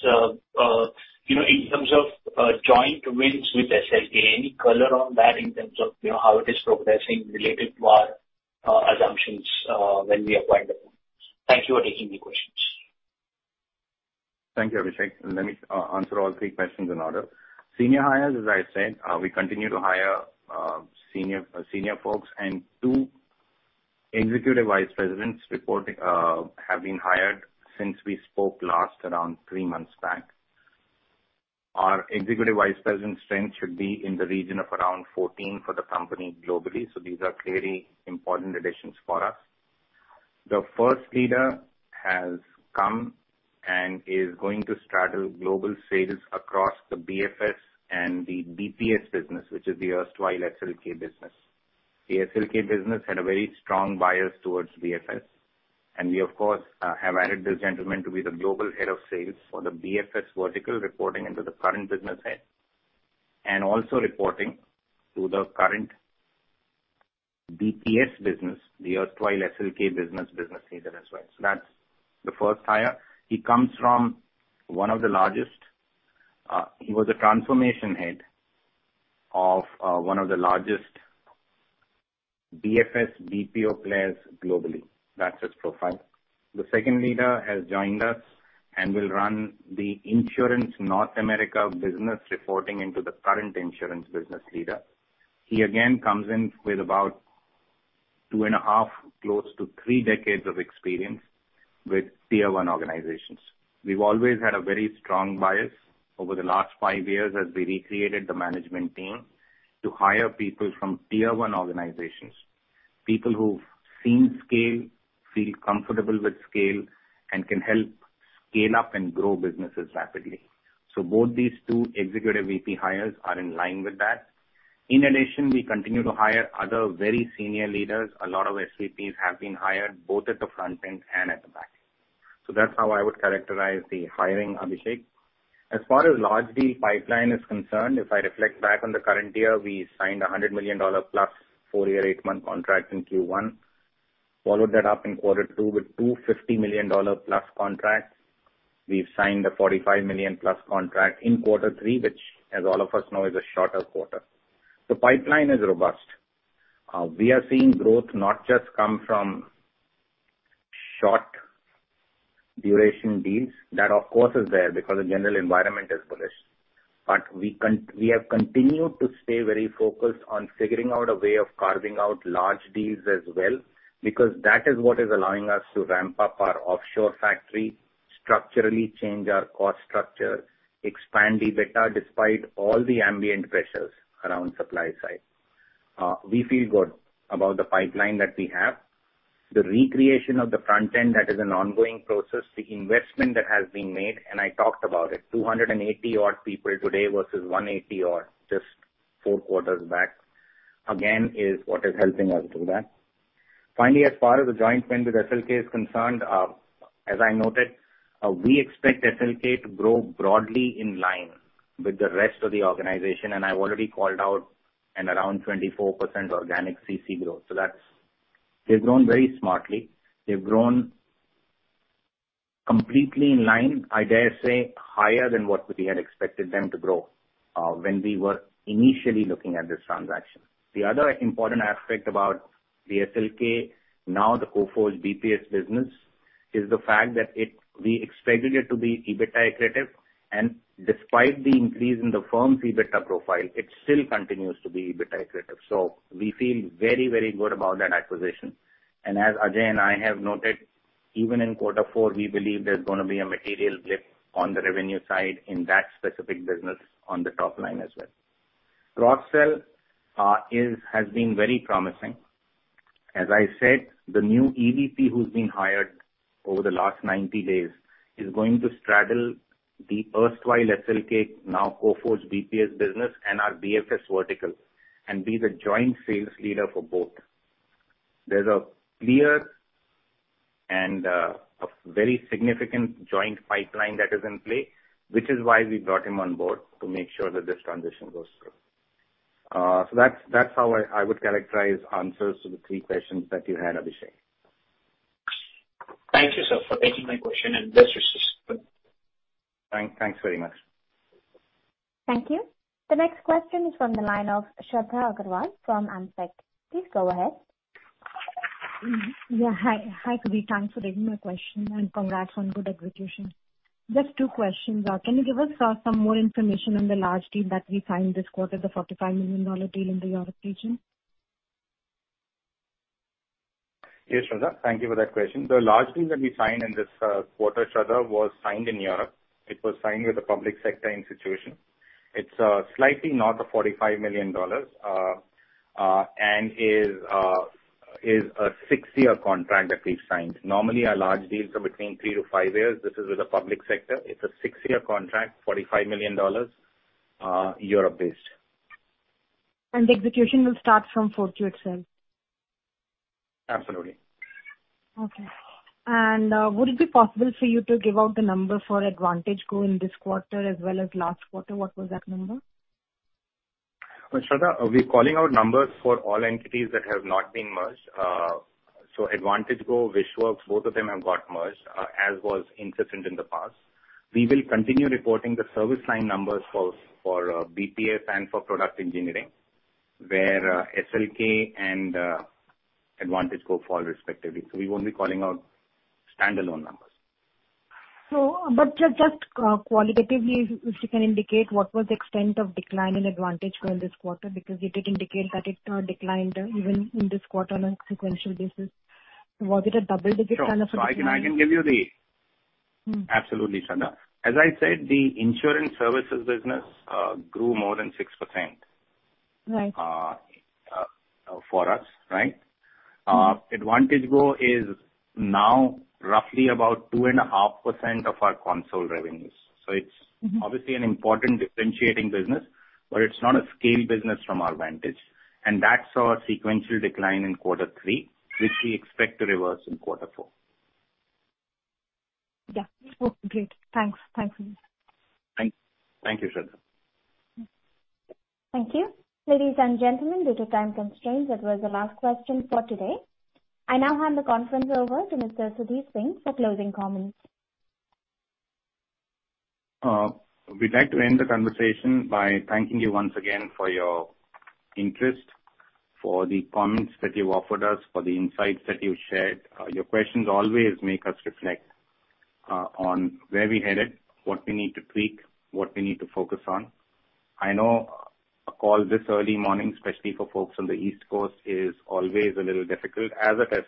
you know in terms of joint wins with SLK, any color on that in terms of you know how it is progressing related to our assumptions when we acquired them. Thank you for taking the questions. Thank you, Abhishek. Let me answer all three questions in order. Senior hires, as I said, we continue to hire senior folks, and two Executive Vice Presidents reporting have been hired since we spoke last around three months back. Our Executive Vice President strength should be in the region of around 14 for the company globally, so these are clearly important additions for us. The first leader has come and is going to straddle global sales across the BFS and the BPS business, which is the erstwhile SLK business. The SLK business had a very strong bias towards BFS, and we of course have added this gentleman to be the global head of sales for the BFS vertical reporting into the current business head, and also reporting to the current BPS business, the erstwhile SLK business leader as well. That's the first hire. He was a transformation head of one of the largest BFS BPO players globally. That's his profile. The second leader has joined us and will run the Insurance North America business reporting into the current insurance business leader. He again comes in with about 2.5, close to three decades of experience with tier one organizations. We've always had a very strong bias over the last five years as we recreated the management team to hire people from tier one organizations. People who've seen scale, feel comfortable with scale and can help scale up and grow businesses rapidly. Both these two Executive VP hires are in line with that. In addition, we continue to hire other very senior leaders. A lot of SVPs have been hired both at the front end and at the back. That's how I would characterize the hiring, Abhishek. As far as large deal pipeline is concerned, if I reflect back on the current year, we signed a $100 million+ four-year, eight-month contract in Q1. Followed that up in quarter two with two $250 million+ contracts. We've signed a $45 million+ contract in quarter three, which as all of us know, is a shorter quarter. The pipeline is robust. We are seeing growth not just come from short duration deals. That of course is there because the general environment is bullish. But we have continued to stay very focused on figuring out a way of carving out large deals as well, because that is what is allowing us to ramp up our offshore factory, structurally change our cost structure, expand EBITDA despite all the ambient pressures around supply side. We feel good about the pipeline that we have. The recreation of the front end, that is an ongoing process. The investment that has been made, and I talked about it, 280-odd people today versus 180-odd just four quarters back, again, is what is helping us do that. Finally, as far as the joint trend with SLK is concerned, as I noted, we expect SLK to grow broadly in line with the rest of the organization, and I've already called out an around 24% organic CC growth. That's. They've grown very smartly. They've grown completely in line, I dare say higher than what we had expected them to grow, when we were initially looking at this transaction. The other important aspect about the SLK, now the Coforge BPS business, is the fact that it, we expected it to be EBITDA accretive, and despite the increase in the firm's EBITDA profile, it still continues to be EBITDA accretive. We feel very, very good about that acquisition. As Ajay and I have noted, even in quarter four, we believe there's gonna be a material lift on the revenue side in that specific business on the top line as well. Cross-sell has been very promising. As I said, the new EVP who's been hired over the last 90 days is going to straddle the erstwhile SLK, now Coforge BPS business, and our BFS vertical and be the joint sales leader for both. There's a clear and a very significant joint pipeline that is in play, which is why we brought him on board to make sure that this transition goes through. That's how I would characterize answers to the three questions that you had, Abhishek. Thank you, sir, for taking my question and best wishes. Thanks very much. Thank you. The next question is from the line of Shraddha Agarwal from Ambit Capital. Please go ahead. Hi, Sudhir. Thanks for taking my question, and congrats on good execution. Just two questions. Can you give us some more information on the large deal that we signed this quarter, the $45 million deal in the Europe region? Yes, Shraddha. Thank you for that question. The large deal that we signed in this quarter, Shraddha, was signed in Europe. It was signed with a public sector institution. It's slightly north of $45 million and is a six-year contract that we've signed. Normally, our large deals are between three-five years. This is with a public sector. It's a six-year contract, $45 million, Europe-based. The execution will start from fourth quarter itself? Absolutely. Okay. Would it be possible for you to give out the number for AdvantageGo in this quarter as well as last quarter? What was that number? Well, Shraddha, we're calling out numbers for all entities that have not been merged. AdvantageGo, WHISHWORKS, both of them have got merged, as was indicated in the past. We will continue reporting the service line numbers for BPS and for product engineering, where SLK and AdvantageGo go forward respectively. We won't be calling out standalone numbers. Just qualitatively, if you can indicate what was the extent of decline in AdvantageGo in this quarter, because you did indicate that it declined even in this quarter on a sequential basis. Was it a double-digit kind of decline? Sure. I can give you the Mm. Absolutely, Shraddha. As I said, the insurance services business grew more than 6%. Right for us, right? AdvantageGo is now roughly about 2.5% of our consolidated revenues. It's- Mm-hmm Obviously an important differentiating business, but it's not a scale business from our vantage. That saw a sequential decline in quarter three, which we expect to reverse in quarter four. Yeah. Okay, great. Thanks. Thanks a lot. Thank you, Shraddha. Thank you. Ladies and gentlemen, due to time constraints, that was the last question for today. I now hand the conference over to Mr. Sudhir Singh for closing comments. We'd like to end the conversation by thanking you once again for your interest, for the comments that you've offered us, for the insights that you've shared. Your questions always make us reflect on where we're headed, what we need to tweak, what we need to focus on. I know a call this early morning, especially for folks on the East Coast, is always a little difficult, as it is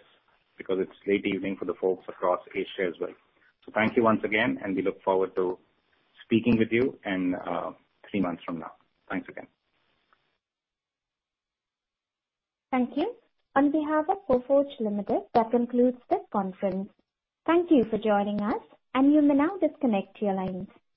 because it's late evening for the folks across Asia as well. Thank you once again, and we look forward to speaking with you in three months from now. Thanks again. Thank you. On behalf of Coforge Limited, that concludes this conference. Thank you for joining us, and you may now disconnect your lines.